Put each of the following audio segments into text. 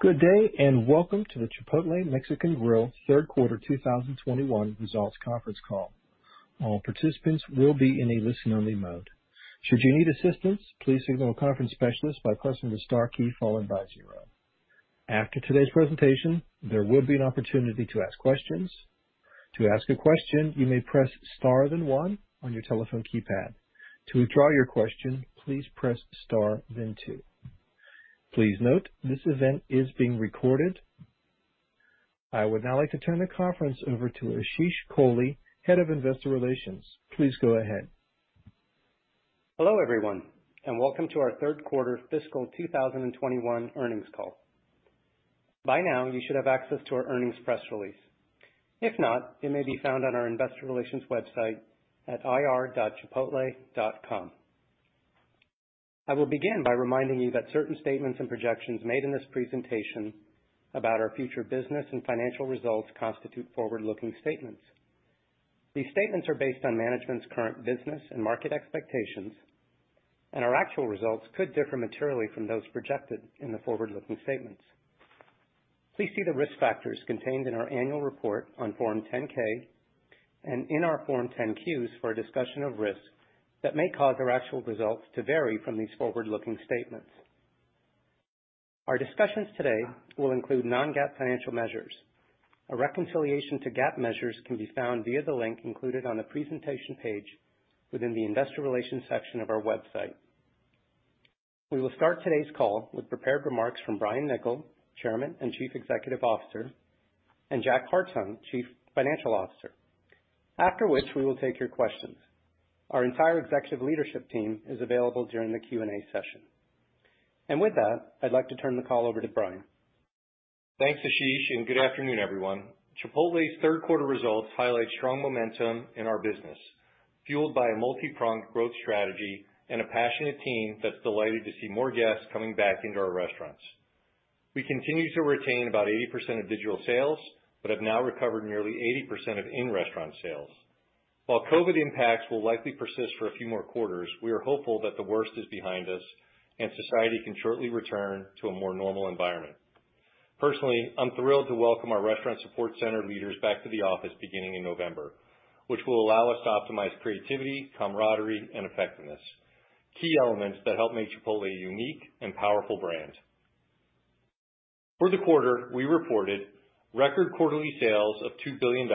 Good day, welcome to the Chipotle Mexican Grill Third Quarter 2021 Results Conference Call. All participants will be in a listen-only mode. Should you need assistance, please signal a conference specialist by pressing the star key followed by zero. After today's presentation, there will be an opportunity to ask questions. To ask a question, you may press star then one on your telephone keypad. To withdraw your question, please press star then two. Please note, this event is being recorded. I would now like to turn the conference over to Ashish Kohli, Head of Investor Relations. Please go ahead. Hello, everyone, and welcome to our third quarter fiscal 2021 earnings call. By now, you should have access to our earnings press release. If not, it may be found on our investor relations website at ir.chipotle.com. I will begin by reminding you that certain statements and projections made in this presentation about our future business and financial results constitute forward-looking statements. These statements are based on management's current business and market expectations, and our actual results could differ materially from those projected in the forward-looking statements. Please see the risk factors contained in our annual report on Form 10-K and in our Form 10-Qs for a discussion of risks that may cause our actual results to vary from these forward-looking statements. Our discussions today will include non-GAAP financial measures. A reconciliation to GAAP measures can be found via the link included on the presentation page within the investor relations section of our website. We will start today's call with prepared remarks from Brian Niccol, Chairman and Chief Executive Officer, and Jack Hartung, Chief Financial Officer, after which we will take your questions. Our entire executive leadership team is available during the Q&A session. With that, I'd like to turn the call over to Brian. Thanks, Ashish, and good afternoon, everyone. Chipotle's third quarter results highlight strong momentum in our business, fueled by a multi-pronged growth strategy and a passionate team that's delighted to see more guests coming back into our restaurants. We continue to retain about 80% of digital sales, but have now recovered nearly 80% of in-restaurant sales. While COVID impacts will likely persist for a few more quarters, we are hopeful that the worst is behind us and society can shortly return to a more normal environment. Personally, I'm thrilled to welcome our restaurant support center leaders back to the office beginning in November, which will allow us to optimize creativity, camaraderie, and effectiveness, key elements that help make Chipotle a unique and powerful brand. For the quarter, we reported record quarterly sales of $2 billion,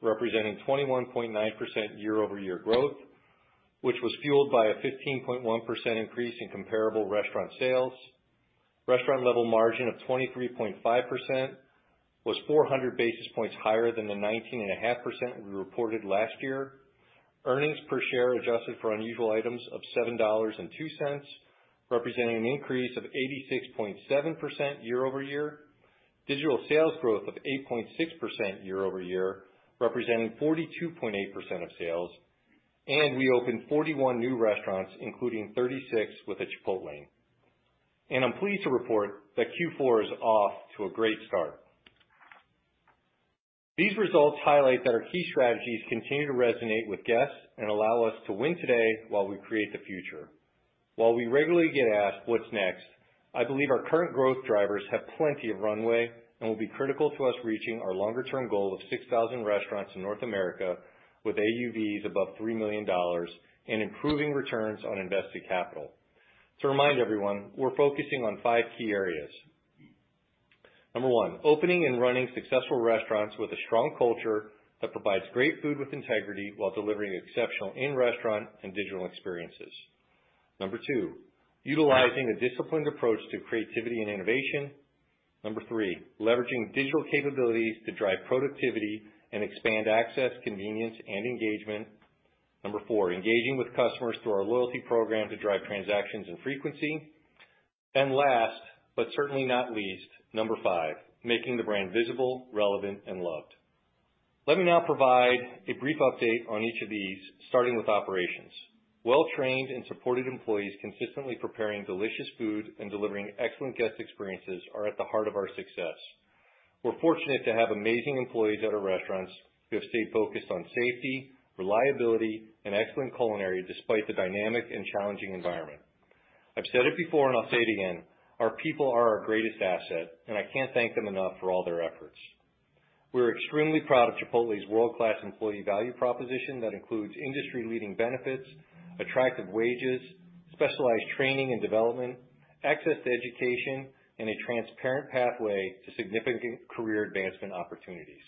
representing 21.9% year-over-year growth, which was fueled by a 15.1% increase in comparable restaurant sales. Restaurant level margin of 23.5% was 400 basis points higher than the 19.5% we reported last year. Earnings per share adjusted for unusual items of $7.02, representing an increase of 86.7% year-over-year. Digital sales growth of 8.6% year-over-year, representing 42.8% of sales. We opened 41 new restaurants, including 36 with a Chipotlane. I'm pleased to report that Q4 is off to a great start. These results highlight that our key strategies continue to resonate with guests and allow us to win today while we create the future. While we regularly get asked what's next, I believe our current growth drivers have plenty of runway and will be critical to us reaching our longer-term goal of 6,000 restaurants in North America with AUVs above $3 million and improving returns on invested capital. To remind everyone, we're focusing on five key areas. Number one, opening and running successful restaurants with a strong culture that provides great food with integrity while delivering exceptional in-restaurant and digital experiences. Number two, utilizing a disciplined approach to creativity and innovation. Number three, leveraging digital capabilities to drive productivity and expand access, convenience, and engagement. Number four, engaging with customers through our loyalty program to drive transactions and frequency. Last, but certainly not least, Number five, making the brand visible, relevant, and loved. Let me now provide a brief update on each of these, starting with operations. Well-trained and supported employees consistently preparing delicious food and delivering excellent guest experiences are at the heart of our success. We're fortunate to have amazing employees at our restaurants who have stayed focused on safety, reliability, and excellent culinary despite the dynamic and challenging environment. I've said it before and I'll say it again, our people are our greatest asset, and I can't thank them enough for all their efforts. We're extremely proud of Chipotle's world-class employee value proposition that includes industry-leading benefits, attractive wages, specialized training and development, access to education, and a transparent pathway to significant career advancement opportunities.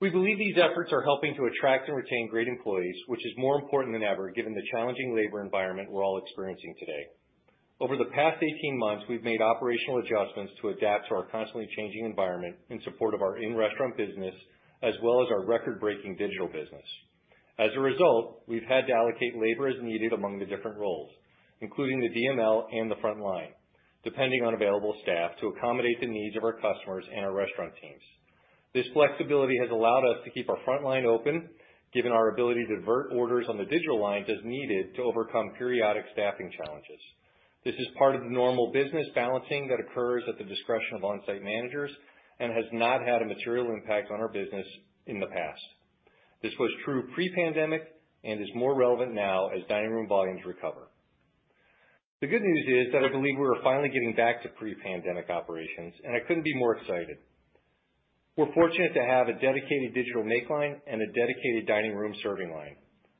We believe these efforts are helping to attract and retain great employees, which is more important than ever given the challenging labor environment we're all experiencing today. Over the past 18 months, we've made operational adjustments to adapt to our constantly changing environment in support of our in-restaurant business as well as our record-breaking digital business. As a result, we've had to allocate labor as needed among the different roles, including the DML and the front line, depending on available staff to accommodate the needs of our customers and our restaurant teams. This flexibility has allowed us to keep our front line open, given our ability to divert orders on the digital line as needed to overcome periodic staffing challenges. This is part of the normal business balancing that occurs at the discretion of on-site managers and has not had a material impact on our business in the past. This was true pre-pandemic and is more relevant now as dining room volumes recover. The good news is that I believe we are finally getting back to pre-pandemic operations. I couldn't be more excited. We're fortunate to have a dedicated Digital Make Line and a dedicated dining room serving line.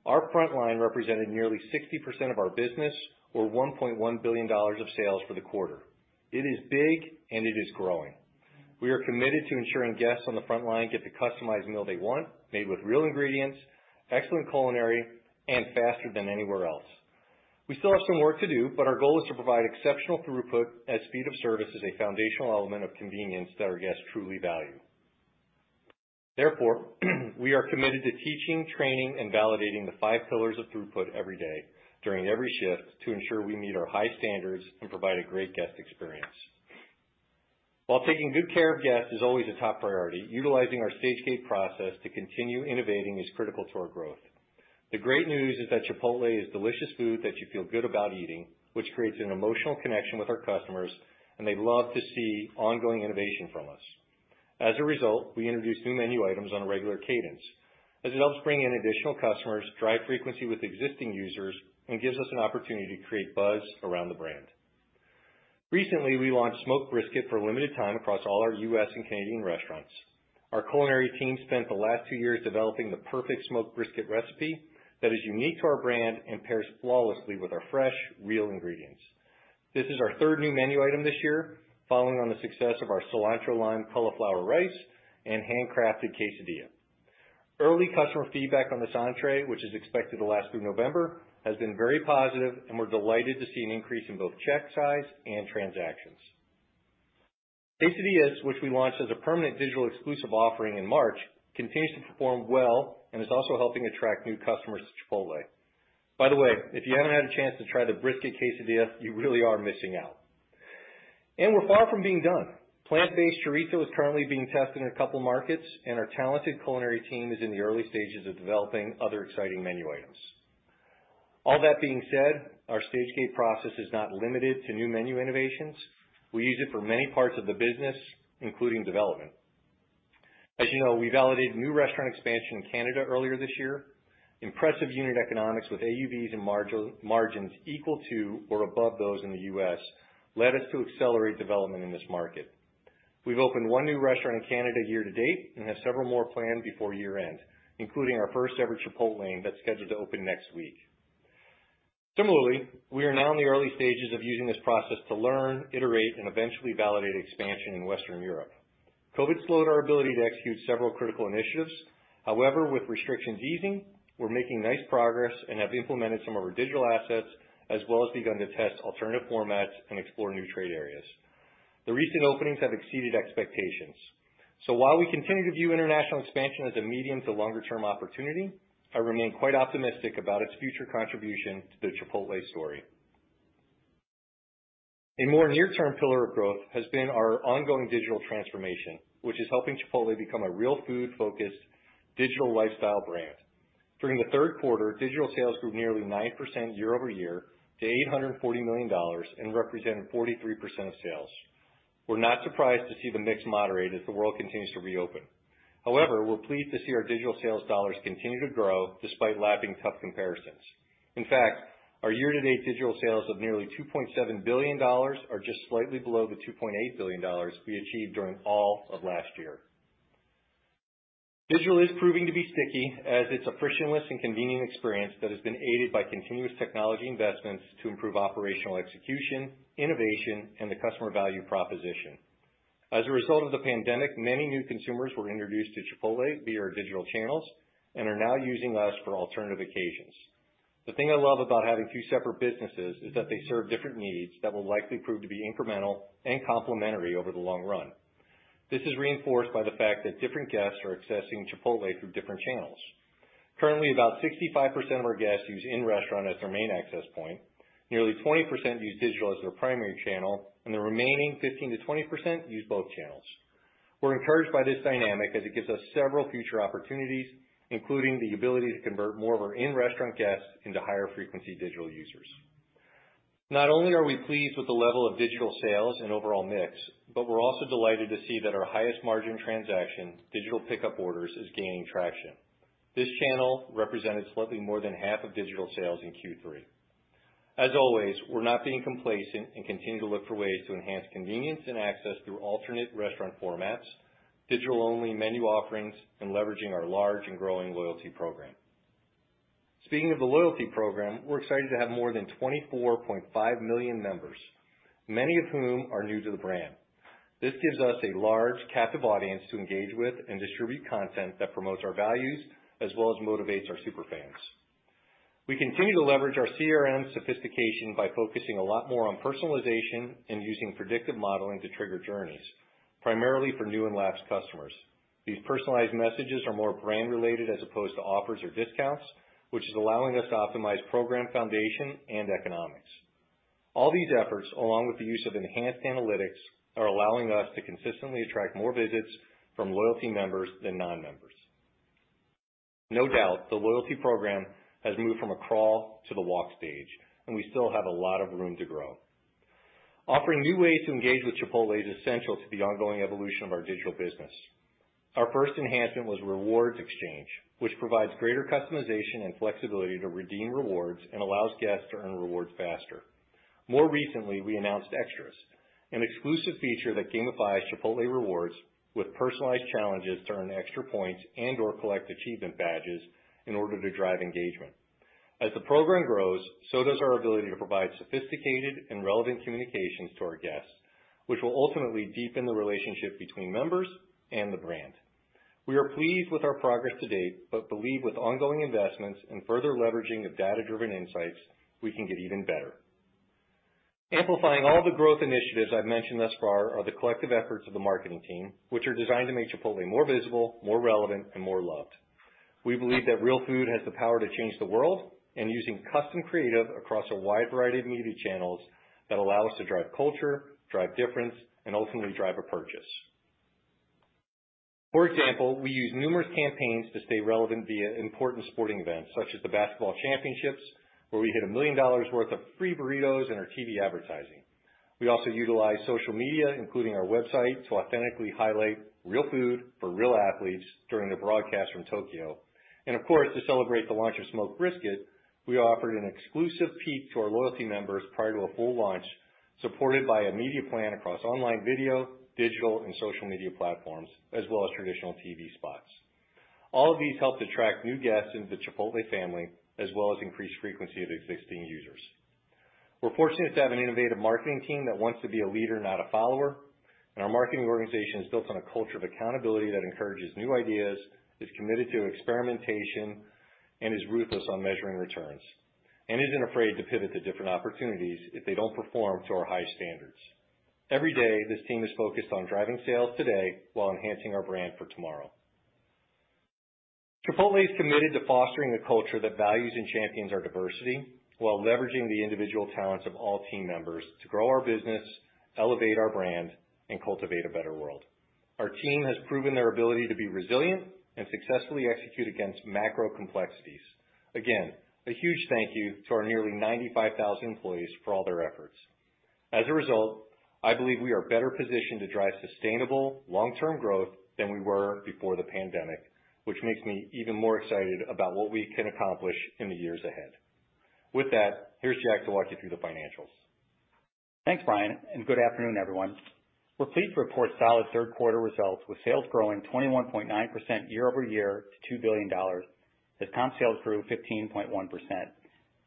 Our front line represented nearly 60% of our business or $1.1 billion of sales for the quarter. It is big and it is growing. We are committed to ensuring guests on the front line get the customized meal they want, made with real ingredients, excellent culinary, and faster than anywhere else. We still have some work to do. Our goal is to provide exceptional throughput as speed of service is a foundational element of convenience that our guests truly value. We are committed to teaching, training, and validating the five pillars of throughput every day, during every shift, to ensure we meet our high standards and provide a great guest experience. While taking good care of guests is always a top priority, utilizing our Stage-Gate process to continue innovating is critical to our growth. The great news is that Chipotle is delicious food that you feel good about eating, which creates an emotional connection with our customers, and they love to see ongoing innovation from us. We introduce new menu items on a regular cadence as it helps bring in additional customers, drive frequency with existing users, and gives us an opportunity to create buzz around the brand. Recently, we launched Smoked Brisket for a limited time across all our U.S. and Canadian restaurants. Our culinary team spent the last two years developing the perfect Smoked Brisket recipe that is unique to our brand and pairs flawlessly with our fresh real ingredients. This is our third new menu item this year, following on the success of our Cilantro-Lime Cauliflower Rice and Hand-Crafted Quesadilla. Early customer feedback on this entrée, which is expected to last through November, has been very positive, and we're delighted to see an increase in both check size and transactions. Quesadillas, which we launched as a permanent digital exclusive offering in March, continues to perform well and is also helping attract new customers to Chipotle. By the way, if you haven't had a chance to try the Brisket quesadilla, you really are missing out. We're far from being done. Plant-Based Chorizo is currently being tested in a couple markets, and our talented culinary team is in the early stages of developing other exciting menu items. All that being said, our Stage-Gate process is not limited to new menu innovations. We use it for many parts of the business, including development. As you know, we validated new restaurant expansion in Canada earlier this year. Impressive unit economics with AUVs and margins equal to or above those in the U.S. led us to accelerate development in this market. We've opened one new restaurant in Canada year to date and have several more planned before year-end, including our first ever Chipotlane that's scheduled to open next week. Similarly, we are now in the early stages of using this process to learn, iterate, and eventually validate expansion in Western Europe. COVID slowed our ability to execute several critical initiatives. However, with restrictions easing, we're making nice progress and have implemented some of our digital assets, as well as begun to test alternative formats and explore new trade areas. The recent openings have exceeded expectations. While we continue to view international expansion as a medium to longer term opportunity, I remain quite optimistic about its future contribution to the Chipotle story. A more near-term pillar of growth has been our ongoing digital transformation, which is helping Chipotle become a real food-focused digital lifestyle brand. During the third quarter, digital sales grew nearly 9% year-over-year to $840 million and represented 43% of sales. We're not surprised to see the mix moderate as the world continues to reopen. However, we're pleased to see our digital sales dollars continue to grow despite lapping tough comparisons. In fact, our year-to-date digital sales of nearly $2.7 billion are just slightly below the $2.8 billion we achieved during all of last year. Digital is proving to be sticky as it's a frictionless and convenient experience that has been aided by continuous technology investments to improve operational execution, innovation, and the customer value proposition. As a result of the pandemic, many new consumers were introduced to Chipotle via our digital channels and are now using us for alternative occasions. The thing I love about having two separate businesses is that they serve different needs that will likely prove to be incremental and complementary over the long run. This is reinforced by the fact that different guests are accessing Chipotle through different channels. Currently, about 65% of our guests use in-restaurant as their main access point. Nearly 20% use digital as their primary channel, and the remaining 15%-20% use both channels. We're encouraged by this dynamic as it gives us several future opportunities, including the ability to convert more of our in-restaurant guests into higher frequency digital users. Not only are we pleased with the level of digital sales and overall mix, but we're also delighted to see that our highest margin transaction, digital pickup orders, is gaining traction. This channel represented slightly more than half of digital sales in Q3. As always, we're not being complacent and continue to look for ways to enhance convenience and access through alternate restaurant formats, digital-only menu offerings, and leveraging our large and growing loyalty program. Speaking of the loyalty program, we're excited to have more than 24.5 million members, many of whom are new to the brand. This gives us a large captive audience to engage with and distribute content that promotes our values as well as motivates our super fans. We continue to leverage our CRM sophistication by focusing a lot more on personalization and using predictive modeling to trigger journeys, primarily for new and lapsed customers. These personalized messages are more brand related as opposed to offers or discounts, which is allowing us to optimize program foundation and economics. All these efforts, along with the use of enhanced analytics, are allowing us to consistently attract more visits from loyalty members than non-members. No doubt, the loyalty program has moved from a crawl to the walk stage, and we still have a lot of room to grow. Offering new ways to engage with Chipotle is essential to the ongoing evolution of our digital business. Our first enhancement was Rewards Exchange, which provides greater customization and flexibility to redeem rewards and allows guests to earn rewards faster. More recently, we announced Extras, an exclusive feature that gamifies Chipotle Rewards with personalized challenges to earn extra points and/or collect achievement badges in order to drive engagement. As the program grows, so does our ability to provide sophisticated and relevant communications to our guests, which will ultimately deepen the relationship between members and the brand. We are pleased with our progress to date, but believe with ongoing investments and further leveraging of data-driven insights, we can get even better. Amplifying all the growth initiatives I've mentioned thus far are the collective efforts of the marketing team, which are designed to make Chipotle more visible, more relevant, and more loved. We believe that real food has the power to change the world, using custom creative across a wide variety of media channels that allow us to drive culture, drive difference, and ultimately drive a purchase. For example, we use numerous campaigns to stay relevant via important sporting events such as the basketball championships, where we hid $1 million worth of free burritos in our TV advertising. We also utilize social media, including our website, to authentically highlight real food for real athletes during the broadcast from Tokyo. Of course, to celebrate the launch of Smoked Brisket, we offered an exclusive peek to our loyalty members prior to a full launch, supported by a media plan across online video, digital, and social media platforms, as well as traditional TV spots. All of these helped attract new guests into the Chipotle family, as well as increased frequency of existing users. We're fortunate to have an innovative marketing team that wants to be a leader, not a follower. Our marketing organization is built on a culture of accountability that encourages new ideas, is committed to experimentation, and is ruthless on measuring returns, and isn't afraid to pivot to different opportunities if they don't perform to our high standards. Every day, this team is focused on driving sales today while enhancing our brand for tomorrow. Chipotle is committed to fostering a culture that values and champions our diversity while leveraging the individual talents of all team members to grow our business, elevate our brand, and cultivate a better world. Our team has proven their ability to be resilient and successfully execute against macro complexities. Again, a huge thank you to our nearly 95,000 employees for all their efforts. I believe we are better positioned to drive sustainable, long-term growth than we were before the pandemic, which makes me even more excited about what we can accomplish in the years ahead. Here's Jack to walk you through the financials. Thanks, Brian, and good afternoon, everyone. We're pleased to report solid third quarter results, with sales growing 21.9% year-over-year to $2 billion. The comp sales grew 15.1%.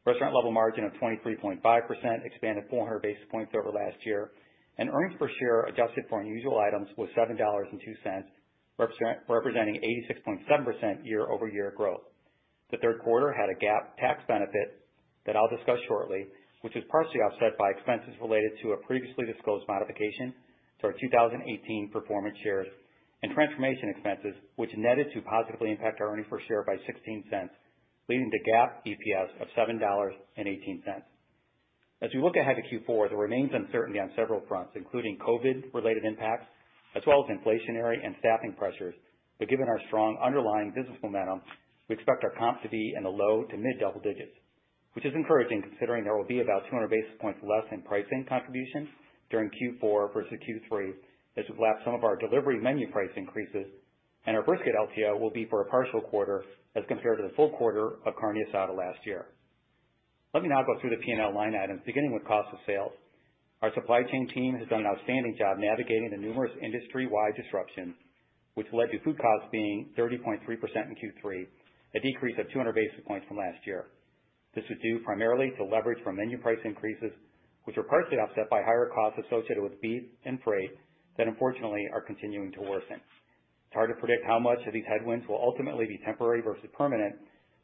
Restaurant level margin of 23.5%, expanded 400 basis points over last year, and earnings per share adjusted for unusual items was $7.02, representing 86.7% year-over-year growth. The third quarter had a GAAP tax benefit that I'll discuss shortly, which is partially offset by expenses related to a previously disclosed modification to our 2018 performance shares and transformation expenses, which netted to positively impact our earnings per share by $0.16, leading to GAAP EPS of $7.18. As we look ahead to Q4, there remains uncertainty on several fronts, including COVID-related impacts as well as inflationary and staffing pressures. Given our strong underlying business momentum, we expect our comps to be in the low to mid double digits, which is encouraging considering there will be about 200 basis points less in pricing contribution during Q4 versus Q3, as we've lapped some of our delivery menu price increases and our Brisket LTO will be for a partial quarter as compared to the full quarter of Carne Asada last year. Let me now go through the P&L line items, beginning with cost of sales. Our supply chain team has done an outstanding job navigating the numerous industry-wide disruptions, which led to food costs being 30.3% in Q3, a decrease of 200 basis points from last year. This was due primarily to leverage from menu price increases, which were partially offset by higher costs associated with beef and freight that, unfortunately, are continuing to worsen. It's hard to predict how much of these headwinds will ultimately be temporary versus permanent,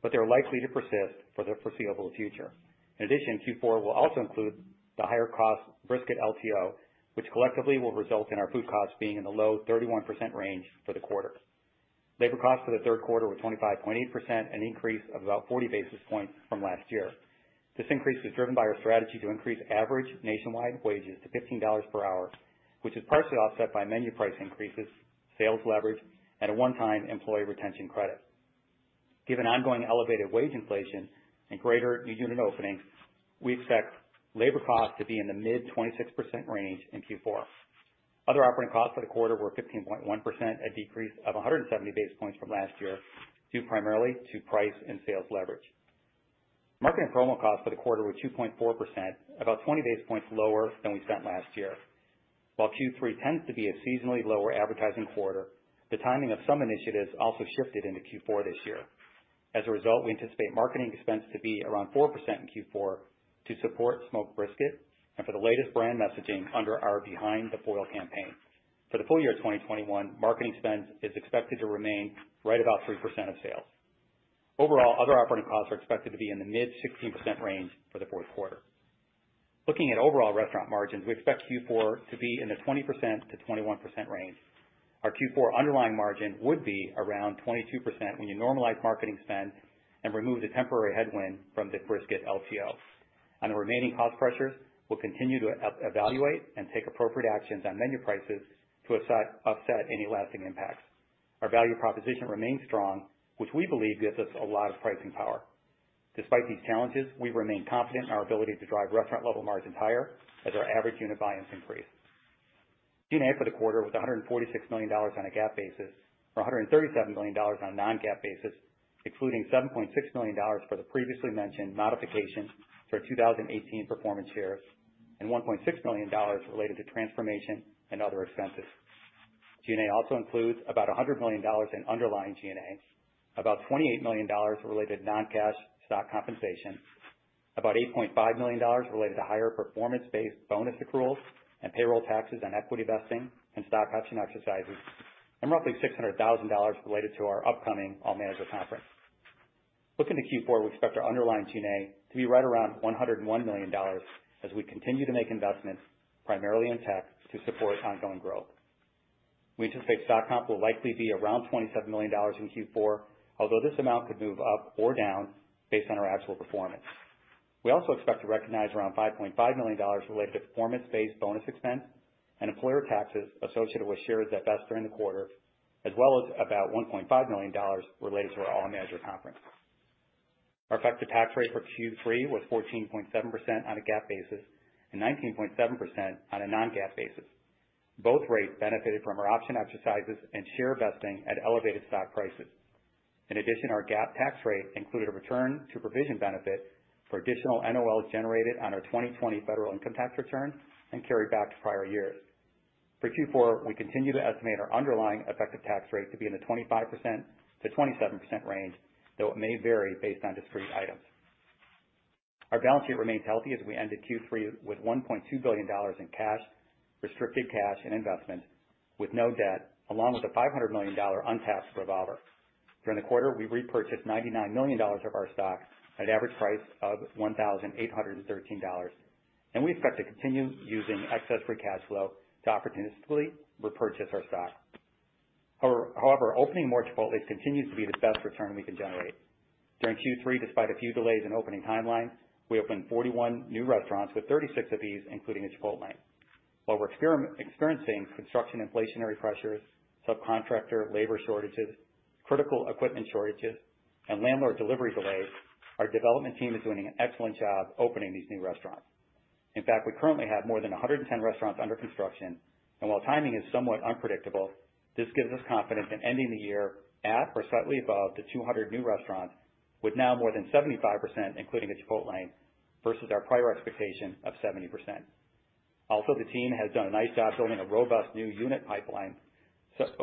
but they're likely to persist for the foreseeable future. In addition, Q4 will also include the higher cost brisket LTO, which collectively will result in our food costs being in the low 31% range for the quarter. Labor costs for the third quarter were 25.8%, an increase of about 40 basis points from last year. This increase was driven by our strategy to increase average nationwide wages to $15 per hour, which is partially offset by menu price increases, sales leverage, and a one-time employee retention credit. Given ongoing elevated wage inflation and greater new unit openings, we expect labor costs to be in the mid 26% range in Q4. Other operating costs for the quarter were 15.1%, a decrease of 170 basis points from last year, due primarily to price and sales leverage. Marketing and promo costs for the quarter were 2.4%, about 20 basis points lower than we spent last year. While Q3 tends to be a seasonally lower advertising quarter, the timing of some initiatives also shifted into Q4 this year. As a result, we anticipate marketing expense to be around 4% in Q4 to support Smoked Brisket and for the latest brand messaging under our Behind the Foil campaign. For the full year 2021, marketing spend is expected to remain right about 3% of sales. Overall, other operating costs are expected to be in the mid 16% range for the fourth quarter. Looking at overall restaurant margins, we expect Q4 to be in the 20%-21% range. Our Q4 underlying margin would be around 22% when you normalize marketing spend and remove the temporary headwind from the Brisket LTO. On the remaining cost pressures, we'll continue to evaluate and take appropriate actions on menu prices to offset any lasting impacts. Our value proposition remains strong, which we believe gives us a lot of pricing power. Despite these challenges, we remain confident in our ability to drive restaurant-level margins higher as our average unit volumes increase. G&A for the quarter was $146 million on a GAAP basis or $137 million on a non-GAAP basis, excluding $7.6 million for the previously mentioned modification for 2018 performance shares and $1.6 million related to transformation and other expenses. G&A also includes about $100 million in underlying G&As, about $28 million related to non-cash stock compensation, about $8.5 million related to higher performance-based bonus accruals and payroll taxes on equity vesting and stock option exercises, and roughly $600,000 related to our upcoming All Managers Conference. Looking to Q4, we expect our underlying G&A to be right around $101 million as we continue to make investments primarily in tech to support ongoing growth. We anticipate stock comp will likely be around $27 million in Q4, although this amount could move up or down based on our actual performance. We also expect to recognize around $5.5 million related to performance-based bonus expense and employer taxes associated with shares that vest during the quarter, as well as about $1.5 million related to our All Managers Conference. Our effective tax rate for Q3 was 14.7% on a GAAP basis and 19.7% on a non-GAAP basis. Both rates benefited from our option exercises and share vesting at elevated stock prices. Our GAAP tax rate included a return to provision benefit for additional NOLs generated on our 2020 federal income tax return and carried back to prior years. For Q4, we continue to estimate our underlying effective tax rate to be in the 25%-27% range, though it may vary based on discrete items. Our balance sheet remains healthy as we ended Q3 with $1.2 billion in cash, restricted cash, and investments with no debt, along with a $500 million untapped revolver. During the quarter, we repurchased $99 million of our stock at average price of $1,813, We expect to continue using excess free cash flow to opportunistically repurchase our stock. However, opening more Chipotle continues to be the best return we can generate. During Q3, despite a few delays in opening timelines, we opened 41 new restaurants, with 36 of these including a Chipotlane. While we're experiencing construction inflationary pressures, subcontractor labor shortages, critical equipment shortages, and landlord delivery delays, our development team is doing an excellent job opening these new restaurants. In fact, we currently have more than 110 restaurants under construction, and while timing is somewhat unpredictable, this gives us confidence in ending the year at or slightly above the 200 new restaurants, with now more than 75%, including a Chipotlane, versus our prior expectation of 70%. The team has done a nice job building a robust new unit pipeline,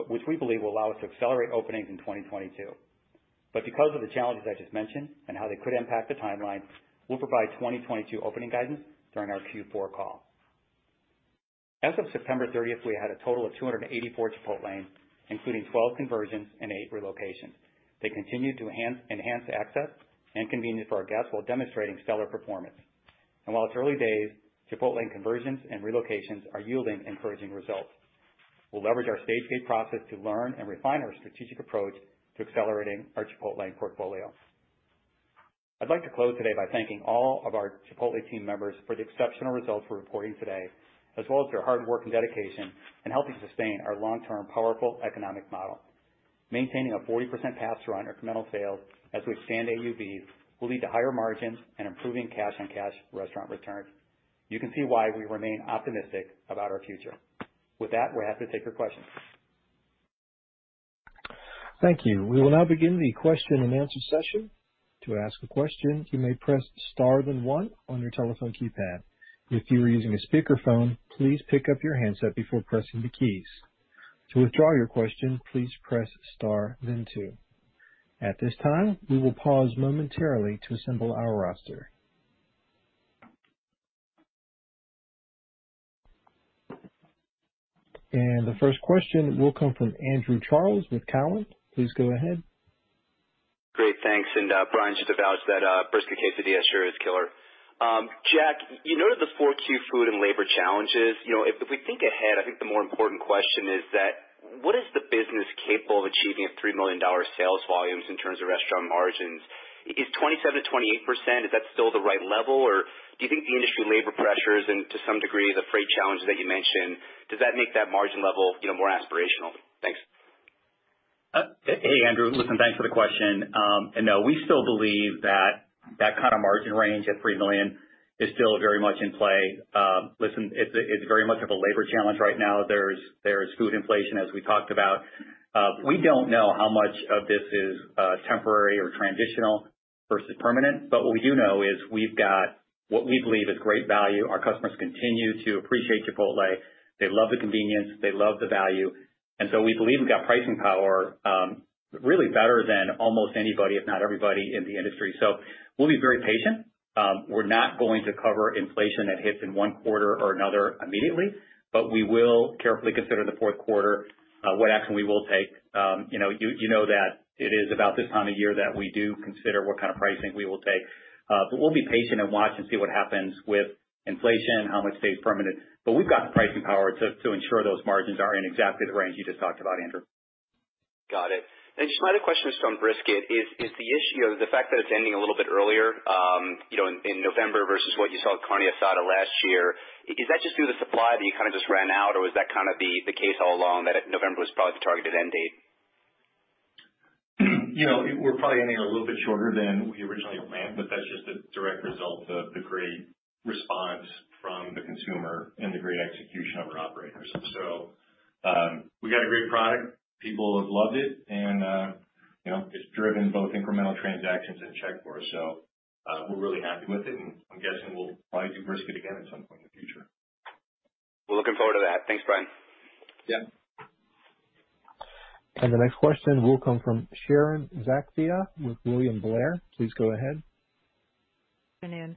which we believe will allow us to accelerate openings in 2022. Because of the challenges I just mentioned and how they could impact the timeline, we'll provide 2022 opening guidance during our Q4 call. As of September 30th, we had a total of 284 Chipotlanes, including 12 conversions and eight relocations. They continue to enhance access and convenience for our guests while demonstrating stellar performance. While it's early days, Chipotlane conversions and relocations are yielding encouraging results. We'll leverage our Stage-Gate process to learn and refine our strategic approach to accelerating our Chipotlane portfolio. I'd like to close today by thanking all of our Chipotle team members for the exceptional results we're reporting today, as well as their hard work and dedication in helping sustain our long-term powerful economic model. Maintaining a 40% pass-through on incremental sales as we expand AUV will lead to higher margins and improving cash-on-cash restaurant returns. You can see why we remain optimistic about our future. With that, we're happy to take your questions. Thank you. We will now begin the question and answer session. At this time, we will pause momentarily to assemble our roster. The first question will come from Andrew Charles with Cowen. Please go ahead. Great, thanks. Brian, just to vouch that brisket quesadilla sure is killer. Jack, you noted the 4Q food and labor challenges. If we think ahead, I think the more important question is that what is the business capable of achieving at $3 million sales volumes in terms of restaurant margins? Is 27%-28%, is that still the right level? Do you think the industry labor pressures and to some degree, the freight challenges that you mentioned, does that make that margin level more aspirational? Thanks. Hey, Andrew, listen, thanks for the question. No, we still believe that kind of margin range at $3 million is still very much in play. Listen, it's very much of a labor challenge right now. There's food inflation, as we talked about. We don't know how much of this is temporary or transitional versus permanent. What we do know is we've got what we believe is great value. Our customers continue to appreciate Chipotle. They love the convenience. They love the value. We believe we've got pricing power really better than almost anybody, if not everybody, in the industry. We'll be very patient. We're not going to cover inflation that hits in one quarter or another immediately, but we will carefully consider the fourth quarter, what action we will take. You know that it is about this time of year that we do consider what kind of pricing we will take. We'll be patient and watch and see what happens with inflation, how much stays permanent. We've got pricing power to ensure those margins are in exactly the range you just talked about, Andrew. Got it. Just my other question is on brisket. Is the issue or the fact that it's ending a little bit earlier in November versus what you saw with Carne Asada last year, is that just due to supply that you kind of just ran out? Was that kind of the case all along that November was probably the targeted end date? We're probably ending a little bit shorter than we originally planned, but that's just a direct result of the great response from the consumer and the great execution of our operators. We got a great product. People have loved it, and it's driven both incremental transactions and check orders. We're really happy with it, and I'm guessing we'll probably do Smoked Brisket again at some point in the future. We're looking forward to that. Thanks, Brian. Yeah. The next question will come from Sharon Zackfia with William Blair. Please go ahead. Good afternoon.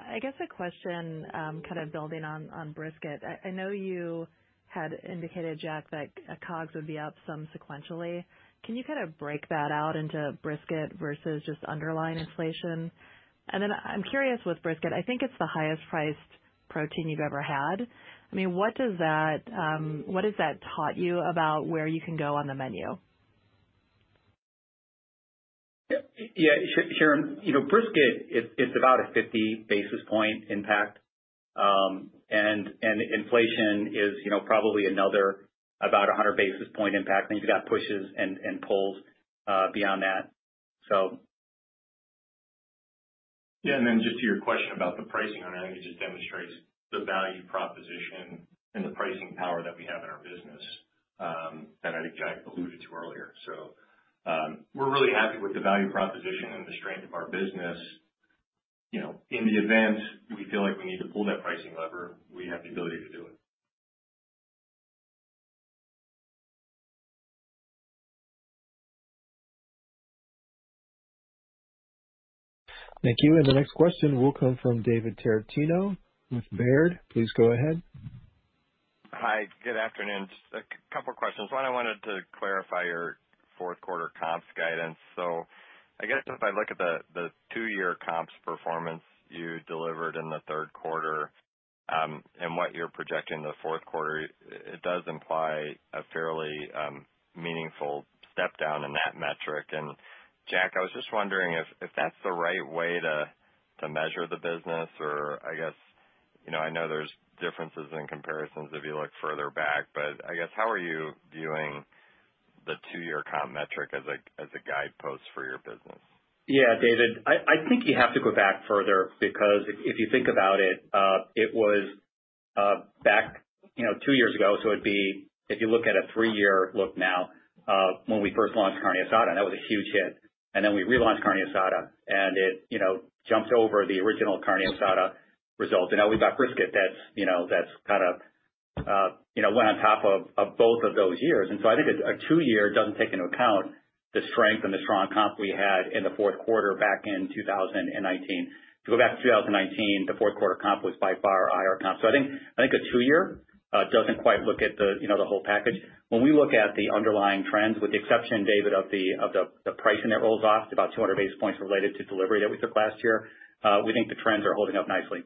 I guess a question, kind of building on brisket. I know you had indicated, Jack, that COGS would be up some sequentially. Can you kind of break that out into brisket versus just underlying inflation? I'm curious with brisket, I think it's the highest priced protein you've ever had. What has that taught you about where you can go on the menu? Yeah, Sharon, brisket, it's about a 50 basis point impact. Inflation is probably another about 100 basis point impact. You've got pushes and pulls beyond that. Yeah, and then just to your question about the pricing, I think it just demonstrates the value proposition and the pricing power that we have in our business, that I think Jack alluded to earlier. We're really happy with the value proposition and the strength of our business. In the event we feel like we need to pull that pricing lever, we have the ability to do it. Thank you. The next question will come from David Tarantino with Baird. Please go ahead. Hi, good afternoon. Just a couple questions. One, I wanted to clarify your fourth quarter comps guidance. I guess if I look at the two-year comps performance you delivered in the third quarter, and what you're projecting in the fourth quarter, it does imply a fairly meaningful step down in that metric. Jack, I was just wondering if that's the right way to measure the business or, I know there's differences in comparisons if you look further back, but I guess, how are you viewing the two-year comp metric as a guidepost for your business? Yeah, David, I think you have to go back further because if you think about it was back two years ago. It'd be if you look at a three-year look now, when we first launched Carne Asada, that was a huge hit. Then we relaunched Carne Asada, it jumped over the original Carne Asada result. Now we've got Brisket that went on top of both of those years. I think a two-year doesn't take into account the strength and the strong comp we had in the fourth quarter back in 2019. If you go back to 2019, the fourth quarter comp was by far our higher comp. I think a two-year doesn't quite look at the whole package. When we look at the underlying trends, with the exception, David, of the pricing that rolls off to about 200 basis points related to delivery that we took last year, we think the trends are holding up nicely.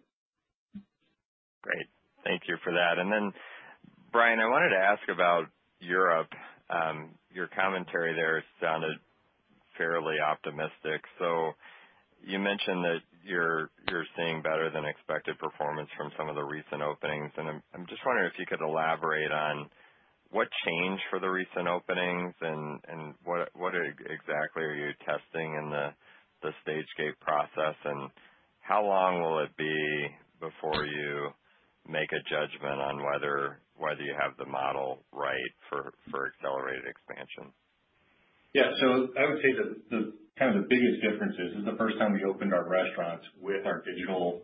Great. Thank you for that. Brian, I wanted to ask about Europe. You mentioned that you're seeing better than expected performance from some of the recent openings. I'm just wondering if you could elaborate on what changed for the recent openings. What exactly are you testing in the Stage-Gate process? How long will it be before you make a judgment on whether you have the model right for accelerated expansion? Yeah. I would say that the biggest difference is this is the first time we opened our restaurants with our digital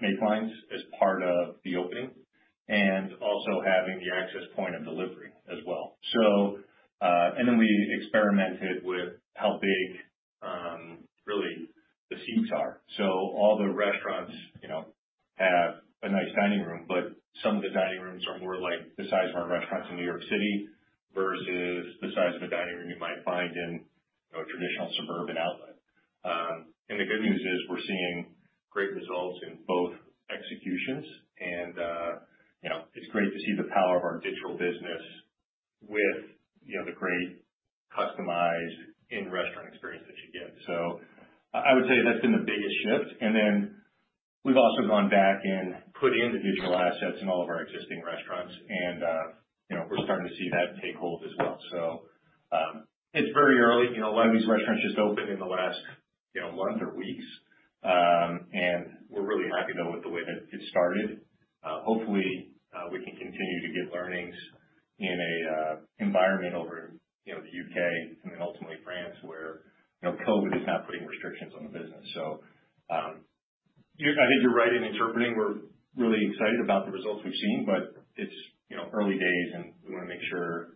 make lines as part of the opening, and also having the access point of delivery as well. Then we experimented with how big, really the seats are. All the restaurants have a nice dining room, but some of the dining rooms are more like the size of our restaurants in New York City versus the size of a dining room you might find in a traditional suburban outlet. The good news is we're seeing great results in both executions and it's great to see the power of our digital business with the great customized in-restaurant experience that you get. I would say that's been the biggest shift. We've also gone back and put in the digital assets in all of our existing restaurants, and we're starting to see that take hold as well. It's very early. A lot of these restaurants just opened in the last months or weeks. We're really happy though with the way that it's started. Hopefully, we can continue to get learnings in an environment over in the U.K. and then ultimately France, where COVID is not putting restrictions on the business. I think you're right in interpreting we're really excited about the results we've seen, but it's early days, and we want to make sure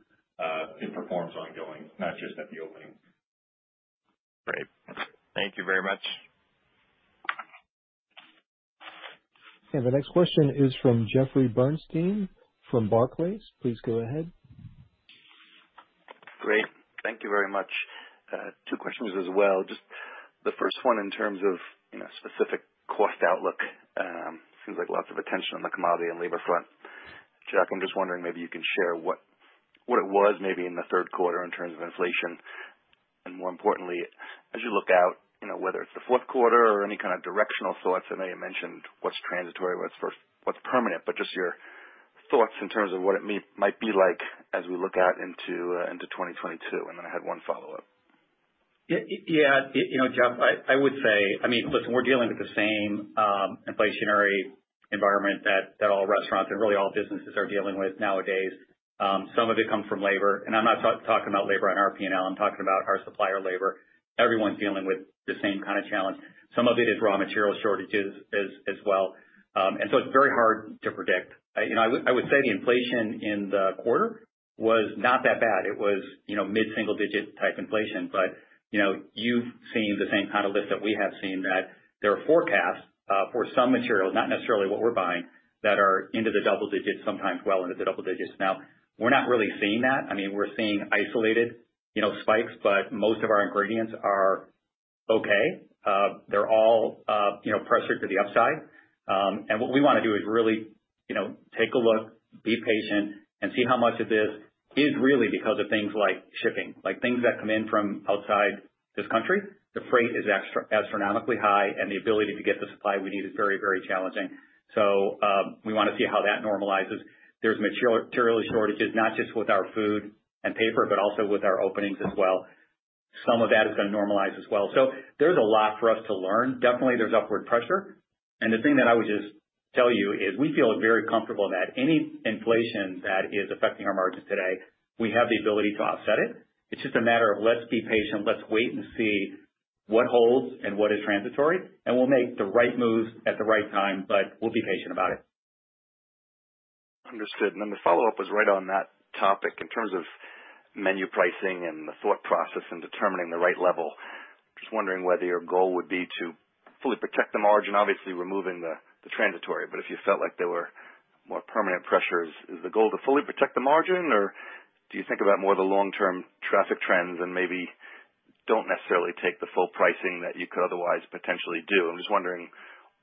it performs ongoing, not just at the opening. Great. Thank you very much. The next question is from Jeffrey Bernstein from Barclays. Please go ahead. Great. Thank you very much. Two questions as well. Just the first one in terms of specific cost outlook. Seems like lots of attention on the commodity and labor front. Jack, I'm just wondering, maybe you can share what it was maybe in the third quarter in terms of inflation. More importantly, as you look out, whether it's the fourth quarter or any kind of directional thoughts, I know you mentioned what's transitory, what's permanent, but just your thoughts in terms of what it might be like as we look out into 2022. I had one follow-up. Yeah, Jeff, I would say, listen, we're dealing with the same inflationary environment that all restaurants and really all businesses are dealing with nowadays. Some of it comes from labor, and I'm not talking about labor on our P&L, I'm talking about our supplier labor. Everyone's dealing with the same kind of challenge. Some of it is raw material shortages as well. It's very hard to predict. I would say the inflation in the quarter was not that bad. It was mid-single digit type inflation. You've seen the same kind of list that we have seen, that there are forecasts for some materials, not necessarily what we're buying, that are into the double digits, sometimes well into the double digits. We're not really seeing that. We're seeing isolated spikes, but most of our ingredients are okay. They're all pressure to the upside. What we want to do is really take a look, be patient, and see how much of this is really because of things like shipping. Things that come in from outside this country, the freight is astronomically high, and the ability to get the supply we need is very challenging. We want to see how that normalizes. There's material shortages, not just with our food and paper, but also with our openings as well. Some of that is going to normalize as well. There's a lot for us to learn. Definitely, there's upward pressure. The thing that I would just tell you is we feel very comfortable that any inflation that is affecting our margins today, we have the ability to offset it. It's just a matter of let's be patient, let's wait and see what holds and what is transitory, and we'll make the right moves at the right time, but we'll be patient about it. Understood. The follow-up was right on that topic in terms of menu pricing and the thought process in determining the right level. Wondering whether your goal would be to fully protect the margin, obviously removing the transitory, but if you felt like there were more permanent pressures, is the goal to fully protect the margin? Do you think about more the long-term traffic trends and maybe don't necessarily take the full pricing that you could otherwise potentially do? Wondering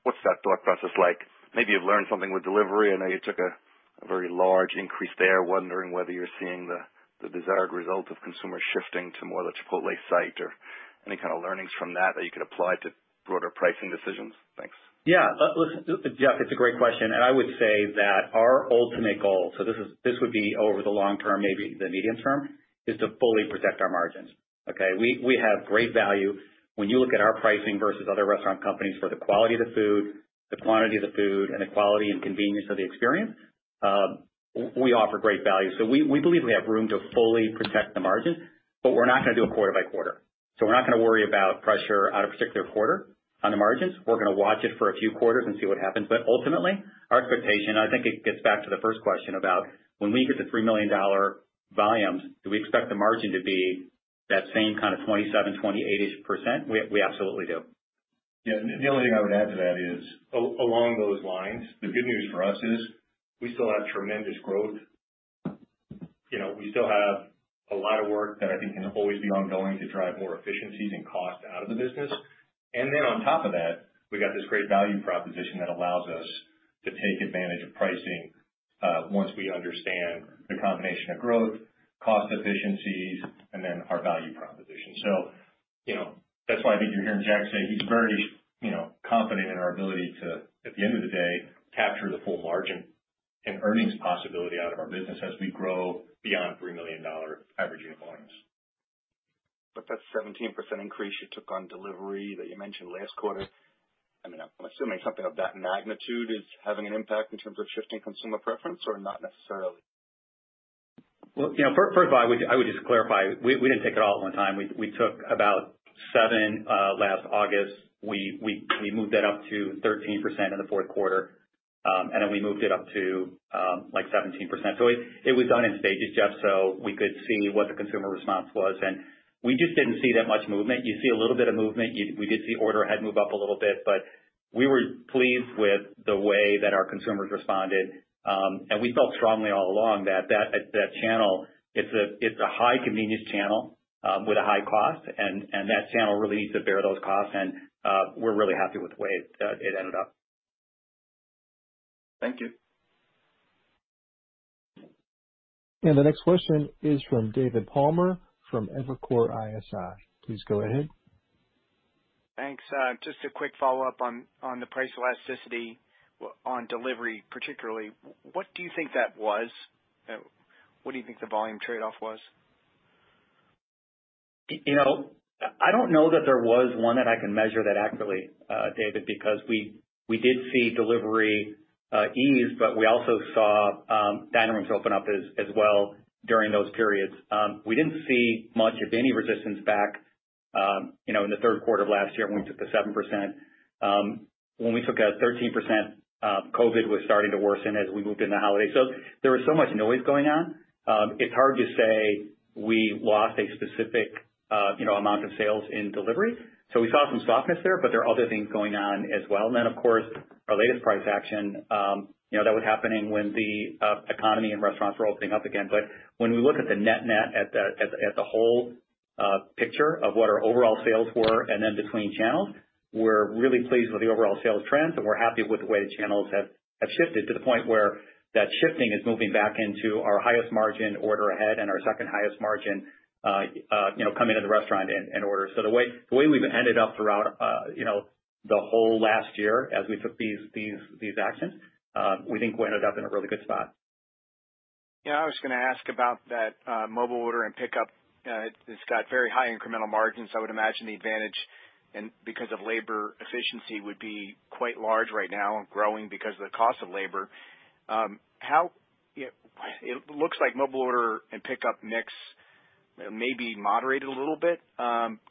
what's that thought process like. Maybe you've learned something with delivery. You took a very large increase there. Wondering whether you're seeing the desired result of consumers shifting to more of the Chipotle site or any kind of learnings from that you could apply to broader pricing decisions. Thanks. Yeah. Listen, Jeff, it's a great question. I would say that our ultimate goal, so this would be over the long term, maybe the medium term, is to fully protect our margins. Okay? We have great value. When you look at our pricing versus other restaurant companies for the quality of the food, the quantity of the food, and the quality and convenience of the experience, we offer great value. We believe we have room to fully protect the margins, but we're not going to do it quarter by quarter. We're not going to worry about pressure on a particular quarter on the margins. We're going to watch it for a few quarters and see what happens. Ultimately, our expectation, I think it gets back to the first question about when we get to $3 million volumes, do we expect the margin to be that same kind of 27%, 28%-ish? We absolutely do. The only thing I would add to that is along those lines, the good news for us is we still have tremendous growth. We still have a lot of work that I think can always be ongoing to drive more efficiencies and cost out of the business. On top of that, we got this great value proposition that allows us to take advantage of pricing, once we understand the combination of growth, cost efficiencies, and then our value proposition. That's why I think you're hearing Jack say he's very confident in our ability to, at the end of the day, capture the full margin and earnings possibility out of our business as we grow beyond $3 million average unit volumes. That 17% increase you took on delivery that you mentioned last quarter, I'm assuming something of that magnitude is having an impact in terms of shifting consumer preference, or not necessarily? Well, first of all, I would just clarify, we didn't take it all at one time. We took about 7% last August. We moved that up to 13% in the fourth quarter, and then we moved it up to 17%. It was done in stages, Jeff, so we could see what the consumer response was, and we just didn't see that much movement. You see a little bit of movement. We did see order ahead move up a little bit, but we were pleased with the way that our consumers responded. We felt strongly all along that that channel, it's a high convenience channel with a high cost, and that channel really needs to bear those costs, and we're really happy with the way it ended up. Thank you. The next question is from David Palmer from Evercore ISI. Please go ahead. Thanks. Just a quick follow-up on the price elasticity on delivery, particularly. What do you think that was? What do you think the volume trade-off was? I don't know that there was one that I can measure that accurately, David, because we did see delivery ease, but we also saw dining rooms open up as well during those periods. We didn't see much of any resistance back in the third quarter of last year when we took the 7%. When we took a 13%, COVID was starting to worsen as we moved into holidays. There was so much noise going on. It's hard to say we lost a specific amount of sales in delivery. We saw some softness there, but there are other things going on as well. Then, of course, our latest price action that was happening when the economy and restaurants were opening up again. When we look at the net net at the whole picture of what our overall sales were and then between channels, we're really pleased with the overall sales trends, and we're happy with the way the channels have shifted to the point where that shifting is moving back into our highest margin order ahead and our second highest margin come into the restaurant and order. The whole last year as we took these actions, we think we ended up in a really good spot. Yeah, I was going to ask about that mobile order and pickup. It's got very high incremental margins. I would imagine the advantage, because of labor efficiency, would be quite large right now and growing because of the cost of labor. It looks like mobile order and pickup mix may be moderated a little bit.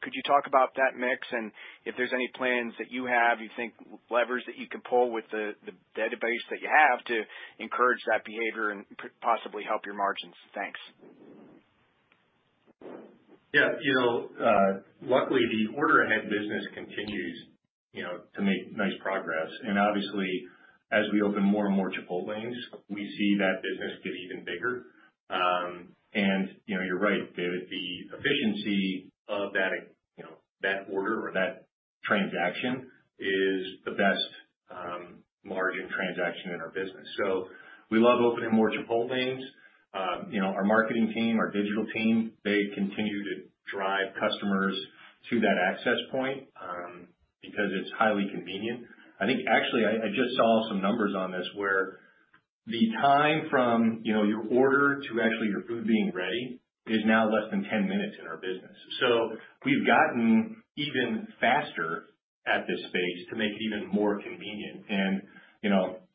Could you talk about that mix and if there's any plans that you have, you think levers that you can pull with the database that you have to encourage that behavior and possibly help your margins? Thanks. Yeah. Luckily, the order ahead business continues to make nice progress. Obviously, as we open more and more Chipotle, we see that business get even bigger. You're right, David, the efficiency of that order or that transaction is the best margin transaction in our business. We love opening more Chipotle. Our marketing team, our digital team, they continue to drive customers to that access point, because it's highly convenient. I think, actually, I just saw some numbers on this where the time from your order to actually your food being ready is now less than 10 minutes in our business. We've gotten even faster at this space to make it even more convenient.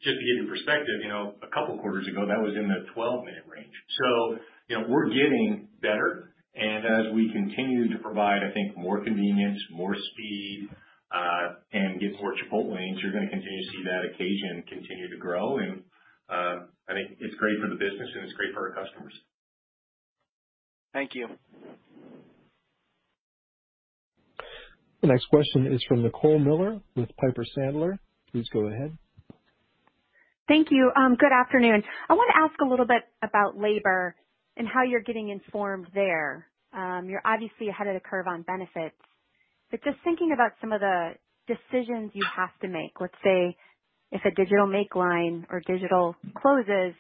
Just to give you perspective, a couple of quarters ago, that was in the 12-minute range. We're getting better, and as we continue to provide, I think, more convenience, more speed, and get more Chipotles, you're going to continue to see that occasion continue to grow. I think it's great for the business and it's great for our customers. Thank you. The next question is from Nicole Miller with Piper Sandler. Please go ahead. Thank you. Good afternoon. I want to ask a little bit about labor and how you're getting informed there. You're obviously ahead of the curve on benefits, but just thinking about some of the decisions you have to make. Let's say, if a digital makeline or digital closes,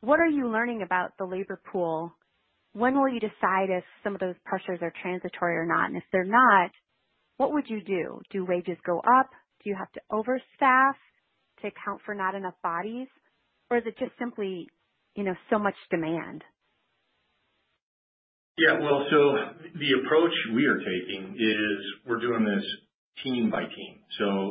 what are you learning about the labor pool? When will you decide if some of those pressures are transitory or not? If they're not, what would you do? Do wages go up? Do you have to overstaff to account for not enough bodies? Is it just simply so much demand? Well, the approach we are taking is we're doing this team by team.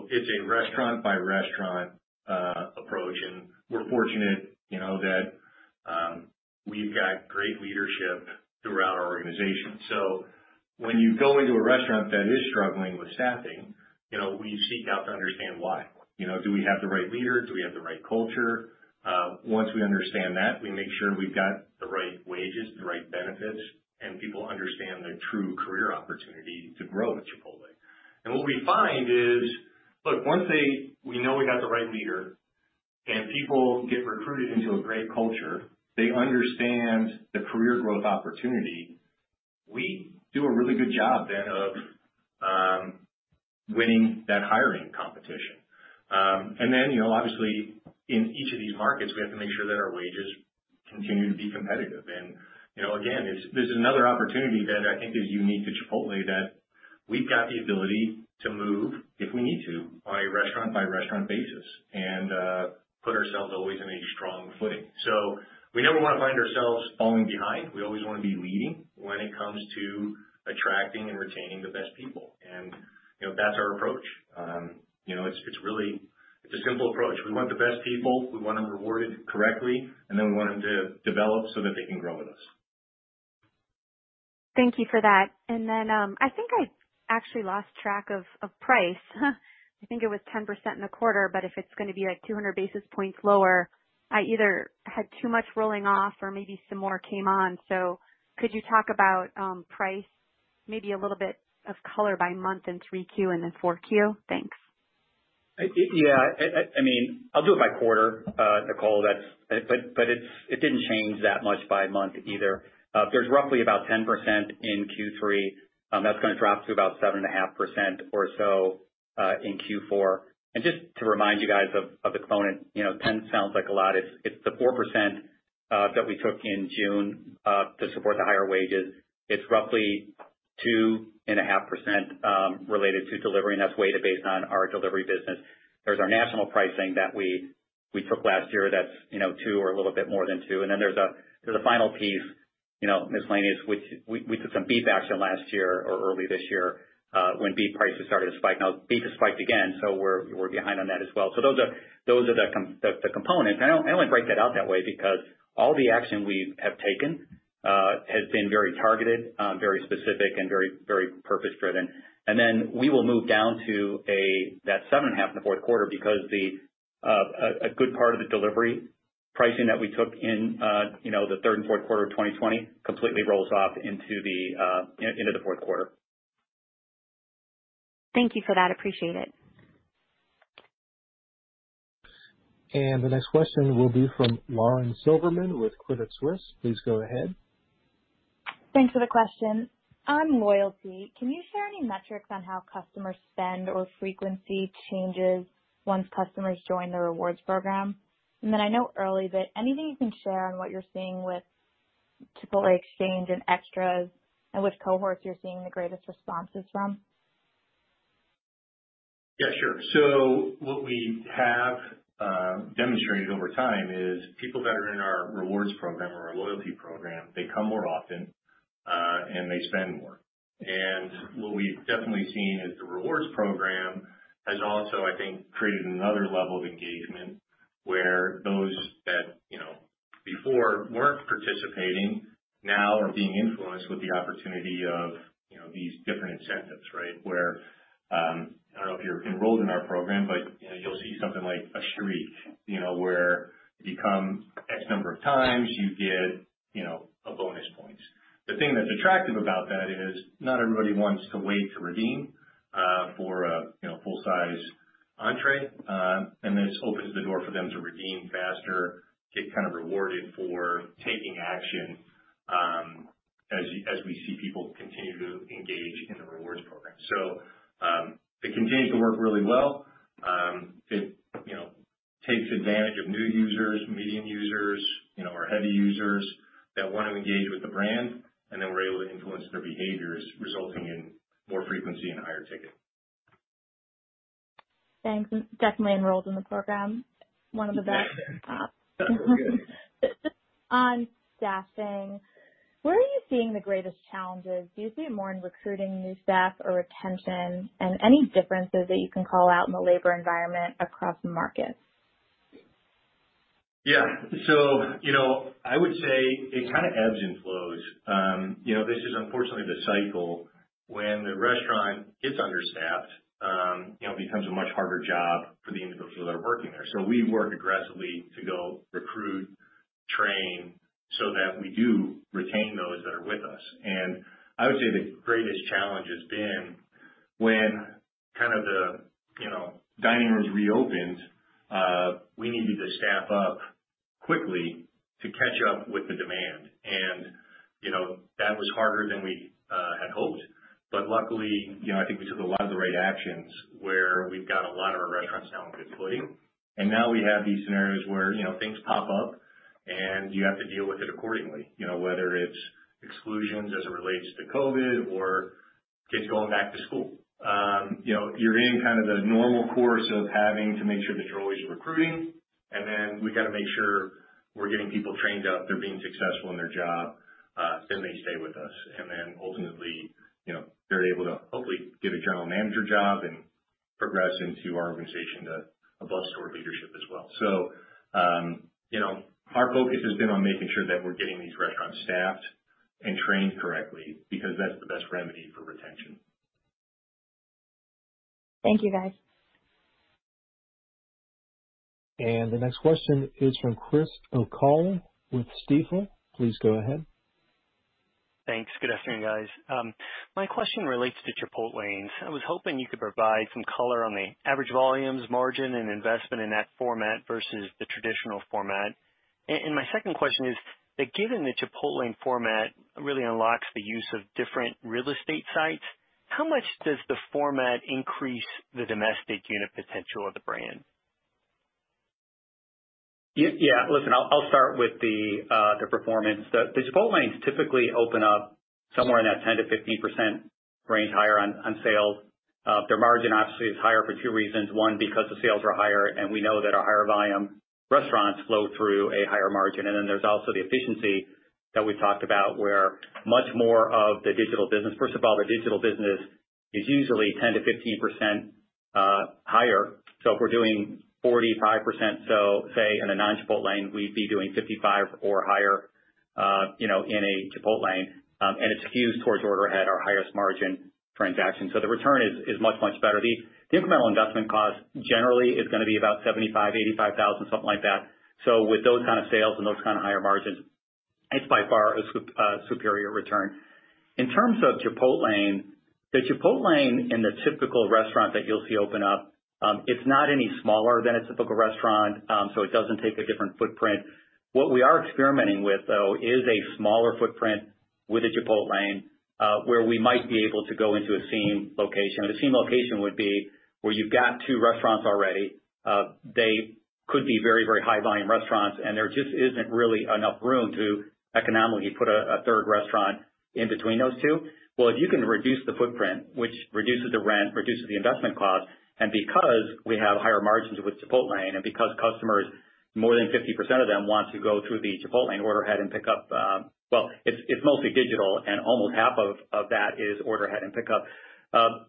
It's a restaurant by restaurant approach, and we're fortunate that we've got great leadership throughout our organization. When you go into a restaurant that is struggling with staffing, we seek out to understand why? Do we have the right leader? Do we have the right culture? Once we understand that, we make sure we've got the right wages, the right benefits, and people understand the true career opportunity to grow at Chipotle. What we find is, look, once we know we got the right leader and people get recruited into a great culture, they understand the career growth opportunity. We do a really good job then of winning that hiring competition. Obviously, in each of these markets, we have to make sure that our wages continue to be competitive. Again, there's another opportunity that I think is unique to Chipotle that we've got the ability to move, if we need to, on a restaurant by restaurant basis and put ourselves always in a strong footing. We never want to find ourselves falling behind. We always want to be leading when it comes to attracting and retaining the best people. That's our approach. It's a simple approach. We want the best people, we want them rewarded correctly, then we want them to develop so that they can grow with us. Thank you for that. I think I actually lost track of price. I think it was 10% in the quarter, but if it's going to be like 200 basis points lower, I either had too much rolling off or maybe some more came on. Could you talk about price, maybe a little bit of color by month in 3Q and then 4Q? Thanks. I'll do it by quarter, Nicole. It didn't change that much by month either. There's roughly about 10% in Q3. That's going to drop to about 7.5% or so, in Q4. Just to remind you guys of the component, 10 sounds like a lot. It's the 4% that we took in June to support the higher wages. It's roughly 2.5% related to delivery, and that's weighted based on our delivery business. There's our national pricing that we took last year that's 2% or a little bit more than 2%. There's a final piece, miscellaneous, which we took some beef action last year or early this year, when beef prices started to spike. Beef has spiked again. We're behind on that as well. Those are the components. I only break that out that way because all the action we have taken has been very targeted, very specific, and very purpose-driven. We will move down to that 7.5% in the fourth quarter because a good part of the delivery pricing that we took in the third and fourth quarter of 2020 completely rolls off into the fourth quarter. Thank you for that. Appreciate it. The next question will be from Lauren Silberman with Credit Suisse. Please go ahead. Thanks for the question. On loyalty, can you share any metrics on how customers spend or frequency changes once customers join the rewards program? I know early, but anything you can share on what you're seeing with Rewards Exchange and Extras, and which cohorts you're seeing the greatest responses from. Yeah, sure. What we have demonstrated over time is people that are in our Rewards program or our loyalty program, they come more often, and they spend more. What we've definitely seen is the Rewards program has also, I think, created another level of engagement where those that before weren't participating now are being influenced with the opportunity of these different incentives, right? Where, I don't know if you're enrolled in our program, but you'll see something like a streak, where if you come X number of times you get a bonus points. The thing that's attractive about that is not everybody wants to wait to redeem for a full size entrée. This opens the door for them to redeem faster, get kind of rewarded for taking action, as we see people continue to engage in the Rewards program. It continues to work really well. It takes advantage of new users, median users, our heavy users that want to engage with the brand, and then we're able to influence their behaviors, resulting in more frequency and higher ticket. Thanks. I'm definitely enrolled in the program. One of the best. Good. On staffing, where are you seeing the greatest challenges? Do you see it more in recruiting new staff or retention? Any differences that you can call out in the labor environment across markets? Yeah. I would say it kind of ebbs and flows. This is unfortunately the cycle. When the restaurant gets understaffed, it becomes a much harder job for the individuals that are working there. We work aggressively to go recruit, train, so that we do retain those that are with us. I would say the greatest challenge has been when the dining rooms reopened, we needed to staff up quickly to catch up with the demand. That was harder than we had hoped. Luckily, I think we took a lot of the right actions where we've got a lot of our restaurants now in good footing. Now we have these scenarios where things pop up and you have to deal with it accordingly. Whether it's exclusions as it relates to COVID or kids going back to school. You're in the normal course of having to make sure that you're always recruiting, and then we got to make sure we're getting people trained up, they're being successful in their job, and they stay with us. Ultimately, they're able to hopefully get a general manager job and progress into our organization to above store leadership as well. Our focus has been on making sure that we're getting these restaurants staffed and trained correctly because that's the best remedy for retention. Thank you, guys. The next question is from Chris O'Cull with Stifel. Please go ahead. Thanks. Good afternoon, guys. My question relates to Chipotlanes. I was hoping you could provide some color on the average volumes margin and investment in that format versus the traditional format. My second question is that given the Chipotlane format really unlocks the use of different real estate sites, how much does the format increase the domestic unit potential of the brand? Listen, I'll start with the performance. The Chipotlanes typically open up somewhere in that 10%-15% range higher on sales. Their margin obviously is higher for two reasons. One, because the sales are higher, and we know that our higher volume restaurants flow through a higher margin. Then there's also the efficiency that we talked about where much more of the digital business. First of all, the digital business is usually 10%-15% higher. If we're doing 45%, say in a non-Chipotlane, we'd be doing 55% or higher in a Chipotlane, and it skews towards order ahead, our highest margin transaction. The return is much better. The incremental investment cost generally is going to be about $75,000-$85,000, something like that. With those kind of sales and those kind of higher margins, it's by far a superior return. In terms of Chipotlane, the Chipotlane in the typical restaurant that you'll see open up, it's not any smaller than a typical restaurant, so it doesn't take a different footprint. What we are experimenting with, though, is a smaller footprint with a Chipotlane, where we might be able to go into a seam location. A seam location would be where you've got two restaurants already. They could be very high volume restaurants, and there just isn't really enough room to economically put a third restaurant in between those two. Well, if you can reduce the footprint, which reduces the rent, reduces the investment cost, and because we have higher margins with Chipotlane and because customers, more than 50% of them want to go through the Chipotlane order ahead and pick up. Well, it's mostly digital and almost half of that is order ahead and pick up.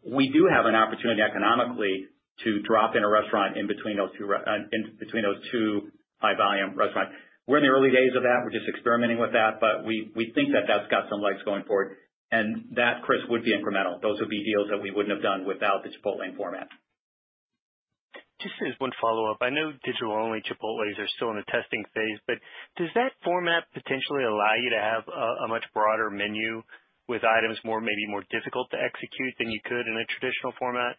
We do have an opportunity economically to drop in a restaurant in between those two high volume restaurants. We're in the early days of that. We're just experimenting with that, we think that that's got some legs going forward. That, Chris, would be incremental. Those would be deals that we wouldn't have done without the Chipotlane format. Just as one follow-up, I know digital only Chipotle are still in a testing phase, but does that format potentially allow you to have a much broader menu with items maybe more difficult to execute than you could in a traditional format?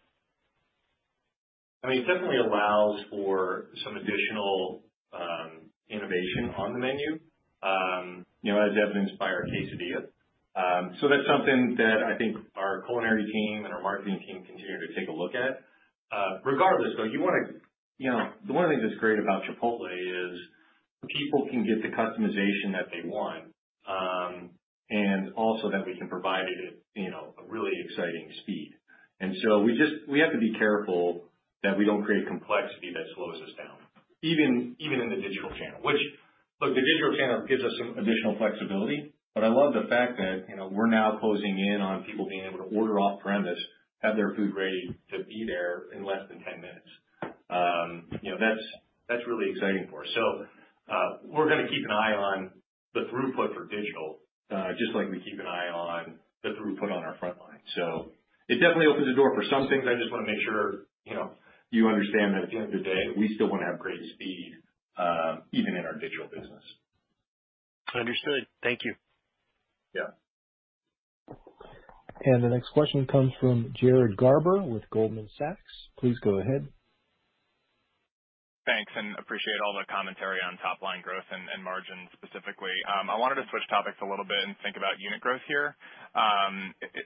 It definitely allows for some additional innovation on the menu. That definitely inspired Quesadillas. That's something that I think our culinary team and our marketing team continue to take a look at. Regardless, though, one of the things that's great about Chipotle is people can get the customization that they want, and also that we can provide it at a really exciting speed. We have to be careful that we don't create complexity that slows us down, even in the digital channel. Which, look, the digital channel gives us some additional flexibility, but I love the fact that we're now closing in on people being able to order off-premise, have their food ready to be there in less than 10 minutes. That's really exciting for us. We're going to keep an eye on the throughput for digital, just like we keep an eye on the throughput on our frontline. It definitely opens the door for some things. I just want to make sure you understand that at the end of the day, we still want to have great speed, even in our digital business. Understood. Thank you. Yeah. The next question comes from Jared Garber with Goldman Sachs. Please go ahead. Thanks. Appreciate all the commentary on top-line growth and margins specifically. I wanted to switch topics a little bit and think about unit growth here.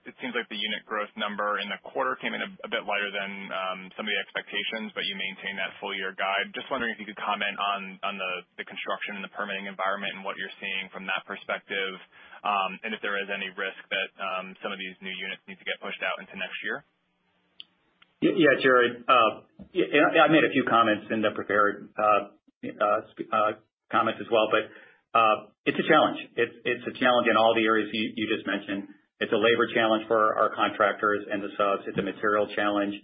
It seems like the unit growth number in the quarter came in a bit lighter than some of the expectations, but you maintained that full year guide. Just wondering if you could comment on the construction and the permitting environment and what you're seeing from that perspective, and if there is any risk that some of these new units need to get pushed out into next year. Yeah. Jared, I made a few comments in the prepared comments as well, but it's a challenge. It's a challenge in all the areas you just mentioned. It's a labor challenge for our contractors and the subs. It's a material challenge.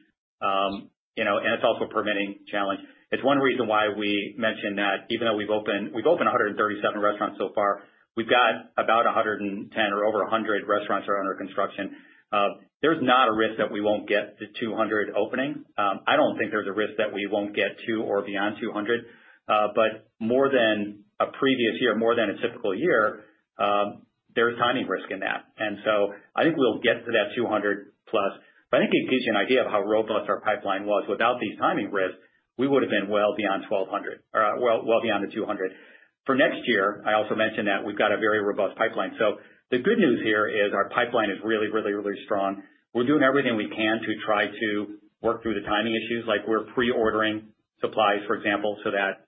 It's also a permitting challenge. It's one reason why we mentioned that even though we've opened 137 restaurants so far, we've got about 110 or over 100 restaurants are under construction. There's not a risk that we won't get to 200 opening. I don't think there's a risk that we won't get to or beyond 200. More than a previous year, more than a typical year, there is timing risk in that. I think we'll get to that 200+. I think it gives you an idea of how robust our pipeline was. Without these timing risks, we would have been well beyond the 200. For next year, I also mentioned that we've got a very robust pipeline. The good news here is our pipeline is really strong. We're doing everything we can to try to work through the timing issues. Like we're pre-ordering supplies, for example, so that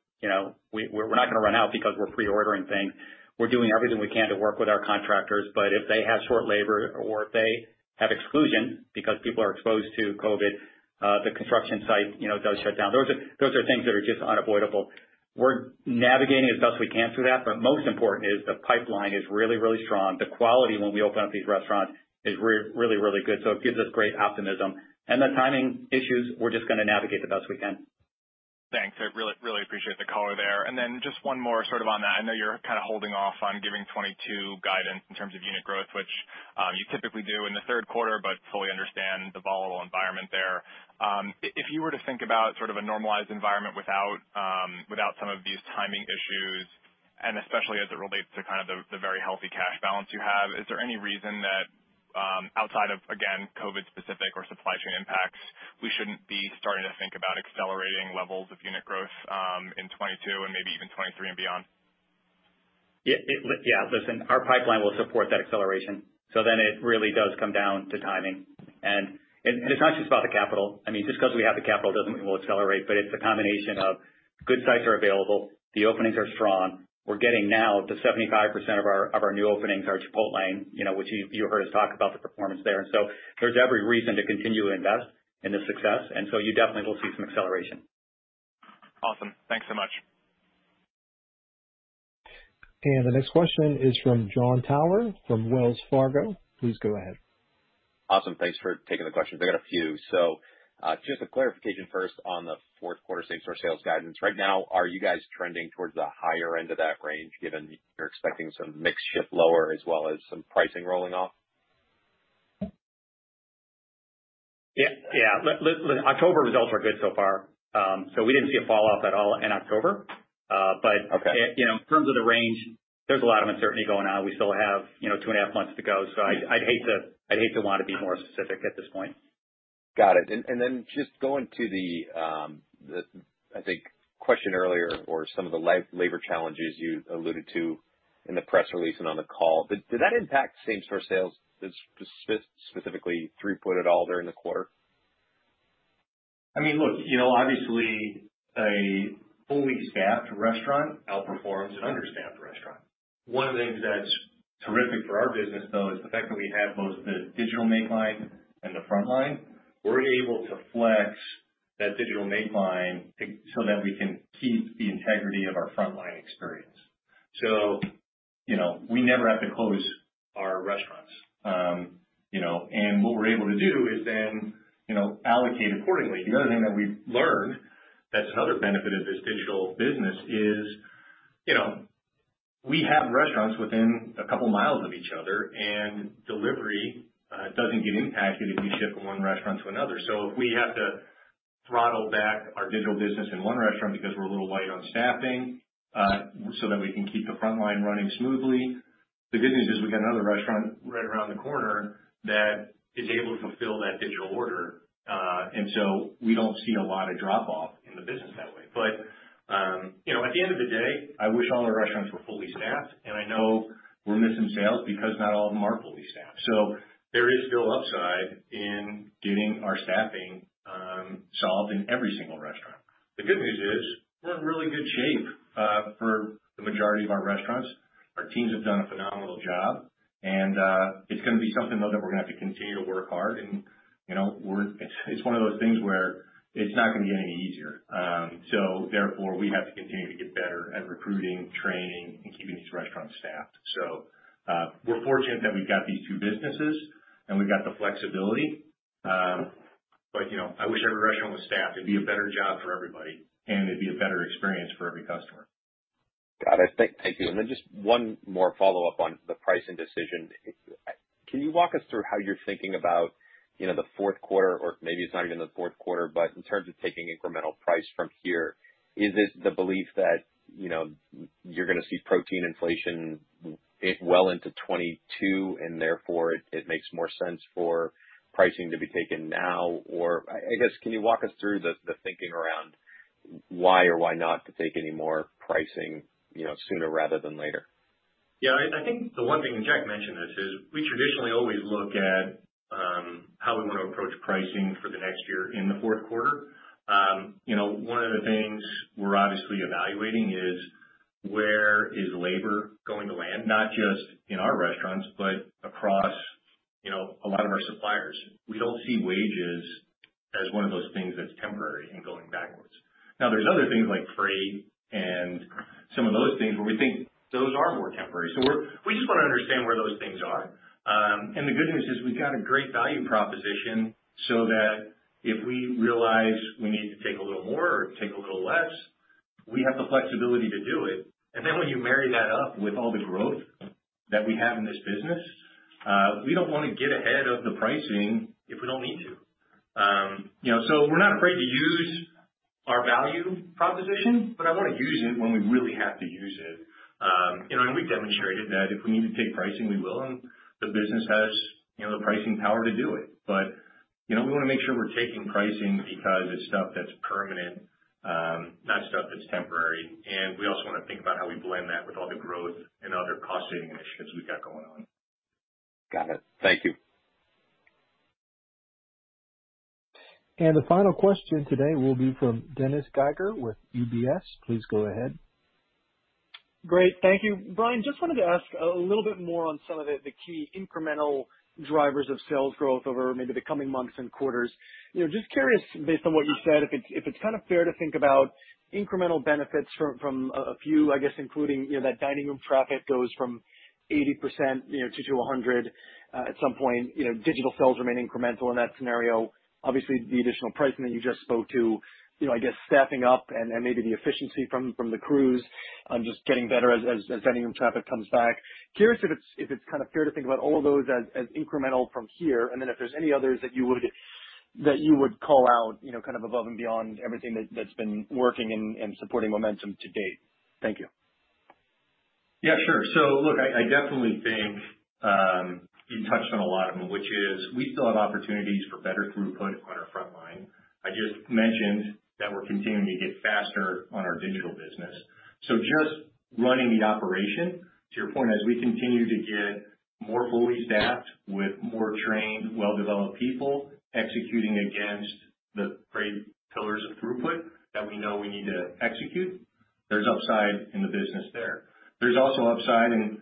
we're not going to run out because we're pre-ordering things. We're doing everything we can to work with our contractors, but if they have short labor or if they have exclusions because people are exposed to COVID, the construction site does shut down. Those are things that are just unavoidable. We're navigating as best we can through that. Most important is the pipeline is really strong. The quality when we open up these restaurants is really good. It gives us great optimism. The timing issues, we're just going to navigate the best we can. Thanks. I really appreciate the color there. Then just one more sort of on that. I know you're kind of holding off on giving 2022 guidance in terms of unit growth, which you typically do in the third quarter. Fully understand the volatile environment there. If you were to think about sort of a normalized environment without some of these timing issues, and especially as it relates to kind of the very healthy cash balance you have, is there any reason that, outside of, again, COVID specific or supply chain impacts, we shouldn't be starting to think about accelerating levels of unit growth in 2022 and maybe even 2023 and beyond? Yeah. Listen, our pipeline will support that acceleration. It really does come down to timing. It's not just about the capital. Just because we have the capital doesn't mean we'll accelerate, but it's a combination of good sites are available, the openings are strong. We're getting now to 75% of our new openings are Chipotle, which you heard us talk about the performance there. There's every reason to continue to invest in this success. You definitely will see some acceleration. Awesome. Thanks so much. The next question is from Jon Tower from Wells Fargo. Please go ahead. Awesome. Thanks for taking the question. I got a few. Just a clarification first on the fourth quarter same-store sales guidance. Right now, are you guys trending towards the higher end of that range, given you're expecting some mix shift lower as well as some pricing rolling off? Yeah. October results are good so far. We didn't see a fall off at all in October. Okay. In terms of the range, there's a lot of uncertainty going on. We still have two and a half months to go. I'd hate to want to be more specific at this point. Got it. Just going to the, I think, question earlier or some of the labor challenges you alluded to in the press release and on the call, did that impact same-store sales, specifically throughput at all during the quarter? Look, obviously a fully staffed restaurant outperforms an understaffed restaurant. One of the things that's terrific for our business, though, is the fact that we have both the digital make line and the frontline. We're able to flex that digital make line so that we can keep the integrity of our frontline experience. We never have to close our restaurants. What we're able to do is then allocate accordingly. The other thing that we've learned that's another benefit of this digital business is we have restaurants within a couple miles of each other, and delivery doesn't get impacted if you ship from one restaurant to another. If we have to throttle back our digital business in one restaurant because we're a little light on staffing, so that we can keep the frontline running smoothly, the good news is we got another restaurant right around the corner that is able to fulfill that digital order. We don't see a lot of drop off in the business that way. At the end of the day, I wish all our restaurants were fully staffed. I know we're missing sales because not all of them are fully staffed. There is still upside in getting our staffing solved in every single restaurant. The good news is, we're in really good shape for the majority of our restaurants. Our teams have done a phenomenal job, and it's going to be something, though, that we're going to have to continue to work hard, and it's one of those things where it's not going to be any easier. Therefore, we have to continue to get better at recruiting, training, and keeping these restaurants staffed. We're fortunate that we've got these two businesses and we've got the flexibility. I wish every restaurant was staffed. It'd be a better job for everybody, and it'd be a better experience for every customer. Got it. Thank you. Just one more follow-up on the pricing decision. Can you walk us through how you're thinking about the fourth quarter, or maybe it's not even the fourth quarter, but in terms of taking incremental price from here, is this the belief that you're going to see protein inflation well into 2022, and therefore it makes more sense for pricing to be taken now? I guess, can you walk us through the thinking around why or why not to take any more pricing sooner rather than later? Yeah. I think the one thing, Jack mentioned this, is we traditionally always look at how we want to approach pricing for the next year in the fourth quarter. One of the things we're obviously evaluating is where is labor going to land, not just in our restaurants, but across a lot of our suppliers. We don't see wages as one of those things that's temporary and going backwards. There's other things like freight and some of those things where we think those are more temporary. We just want to understand where those things are. The good news is we've got a great value proposition so that if we realize we need to take a little more or take a little less, we have the flexibility to do it. When you marry that up with all the growth that we have in this business, we don't want to get ahead of the pricing if we don't need to. We're not afraid to use our value proposition, but I want to use it when we really have to use it. We've demonstrated that if we need to take pricing, we will, and the business has the pricing power to do it. We want to make sure we're taking pricing because it's stuff that's permanent, not stuff that's temporary. We also want to think about how we blend that with all the growth and other cost-saving initiatives we've got going on. Got it. Thank you. The final question today will be from Dennis Geiger with UBS. Please go ahead. Great. Thank you. Brian, just wanted to ask a little bit more on some of the key incremental drivers of sales growth over maybe the coming months and quarters. Just curious, based on what you said, if it's fair to think about incremental benefits from a few, I guess, including that dining room traffic goes from 80% to 100% at some point. Digital sales remain incremental in that scenario. Obviously, the additional pricing that you just spoke to, I guess staffing up and maybe the efficiency from the crews on just getting better as dining room traffic comes back. Curious if it's fair to think about all of those as incremental from here, then if there's any others that you would call out above and beyond everything that's been working and supporting momentum to date. Thank you. Yeah, sure. Look, I definitely think you touched on a lot of them, which is we still have opportunities for better throughput on our frontline. I just mentioned that we're continuing to get faster on our digital business. Just running the operation, to your point, as we continue to get more fully staffed with more trained, well-developed people executing against the great pillars of throughput that we know we need to execute, there's upside in the business there. There's also upside in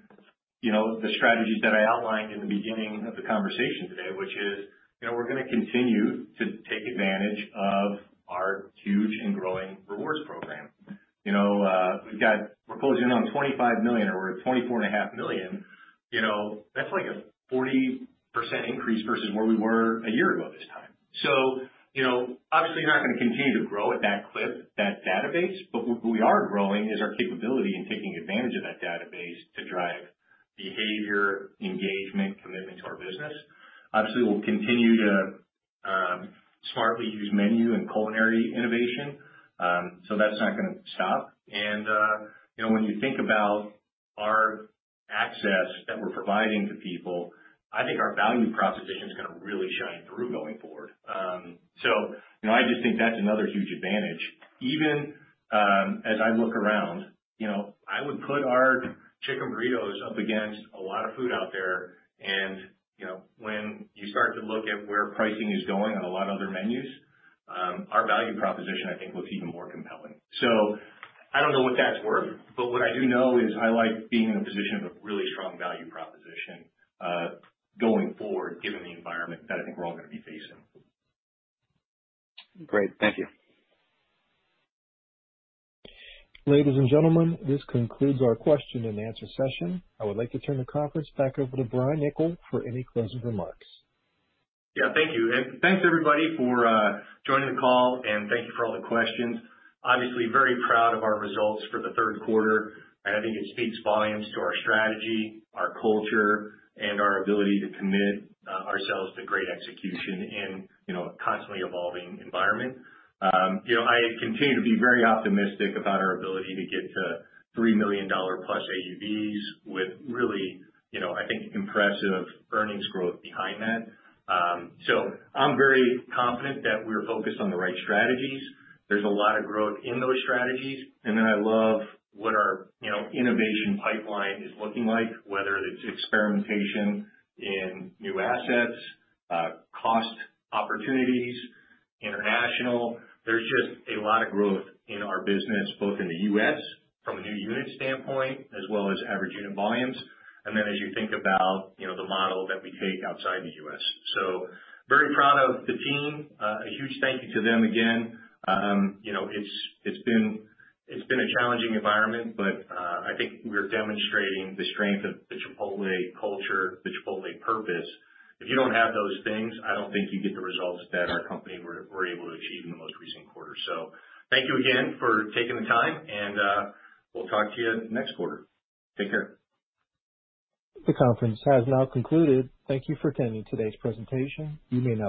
the strategies that I outlined in the beginning of the conversation today, which is we're going to continue to take advantage of our huge and growing Chipotle Rewards program. We're closing in on 25 million, or we're at 24.5 million. That's like a 40% increase versus where we were one year ago at this time. Obviously, you're not going to continue to grow at that clip, that database. Where we are growing is our capability in taking advantage of that database to drive behavior, engagement, commitment to our business. Obviously, we'll continue to smartly use menu and culinary innovation. That's not going to stop. When you think about our access that we're providing to people, I think our value proposition is going to really shine through going forward. I just think that's another huge advantage. Even as I look around, I would put our chicken burritos up against a lot of food out there, and when you start to look at where pricing is going on a lot of other menus, our value proposition, I think, looks even more compelling. I don't know what that's worth, but what I do know is I like being in a position of a really strong value proposition, going forward, given the environment that I think we're all going to be facing. Great. Thank you. Ladies and gentlemen, this concludes our question and answer session. I would like to turn the conference back over to Brian Niccol for any closing remarks. Yeah, thank you. Thanks, everybody, for joining the call, and thank you for all the questions. Obviously very proud of our results for the third quarter, and I think it speaks volumes to our strategy, our culture, and our ability to commit ourselves to great execution in a constantly evolving environment. I continue to be very optimistic about our ability to get to $3 million plus AUVs with really, I think, impressive earnings growth behind that. I'm very confident that we're focused on the right strategies. There's a lot of growth in those strategies. I love what our innovation pipeline is looking like, whether it's experimentation in new assets, cost opportunities, international. There's just a lot of growth in our business, both in the U.S. from a new unit standpoint as well as average unit volumes, and then as you think about the model that we take outside the U.S. Very proud of the team. A huge thank you to them again. It's been a challenging environment, but I think we're demonstrating the strength of the Chipotle culture, the Chipotle purpose. If you don't have those things, I don't think you get the results that our company were able to achieve in the most recent quarter. Thank you again for taking the time, and we'll talk to you next quarter. Take care. The conference has now concluded. Thank you for attending today's presentation. You may disconnect.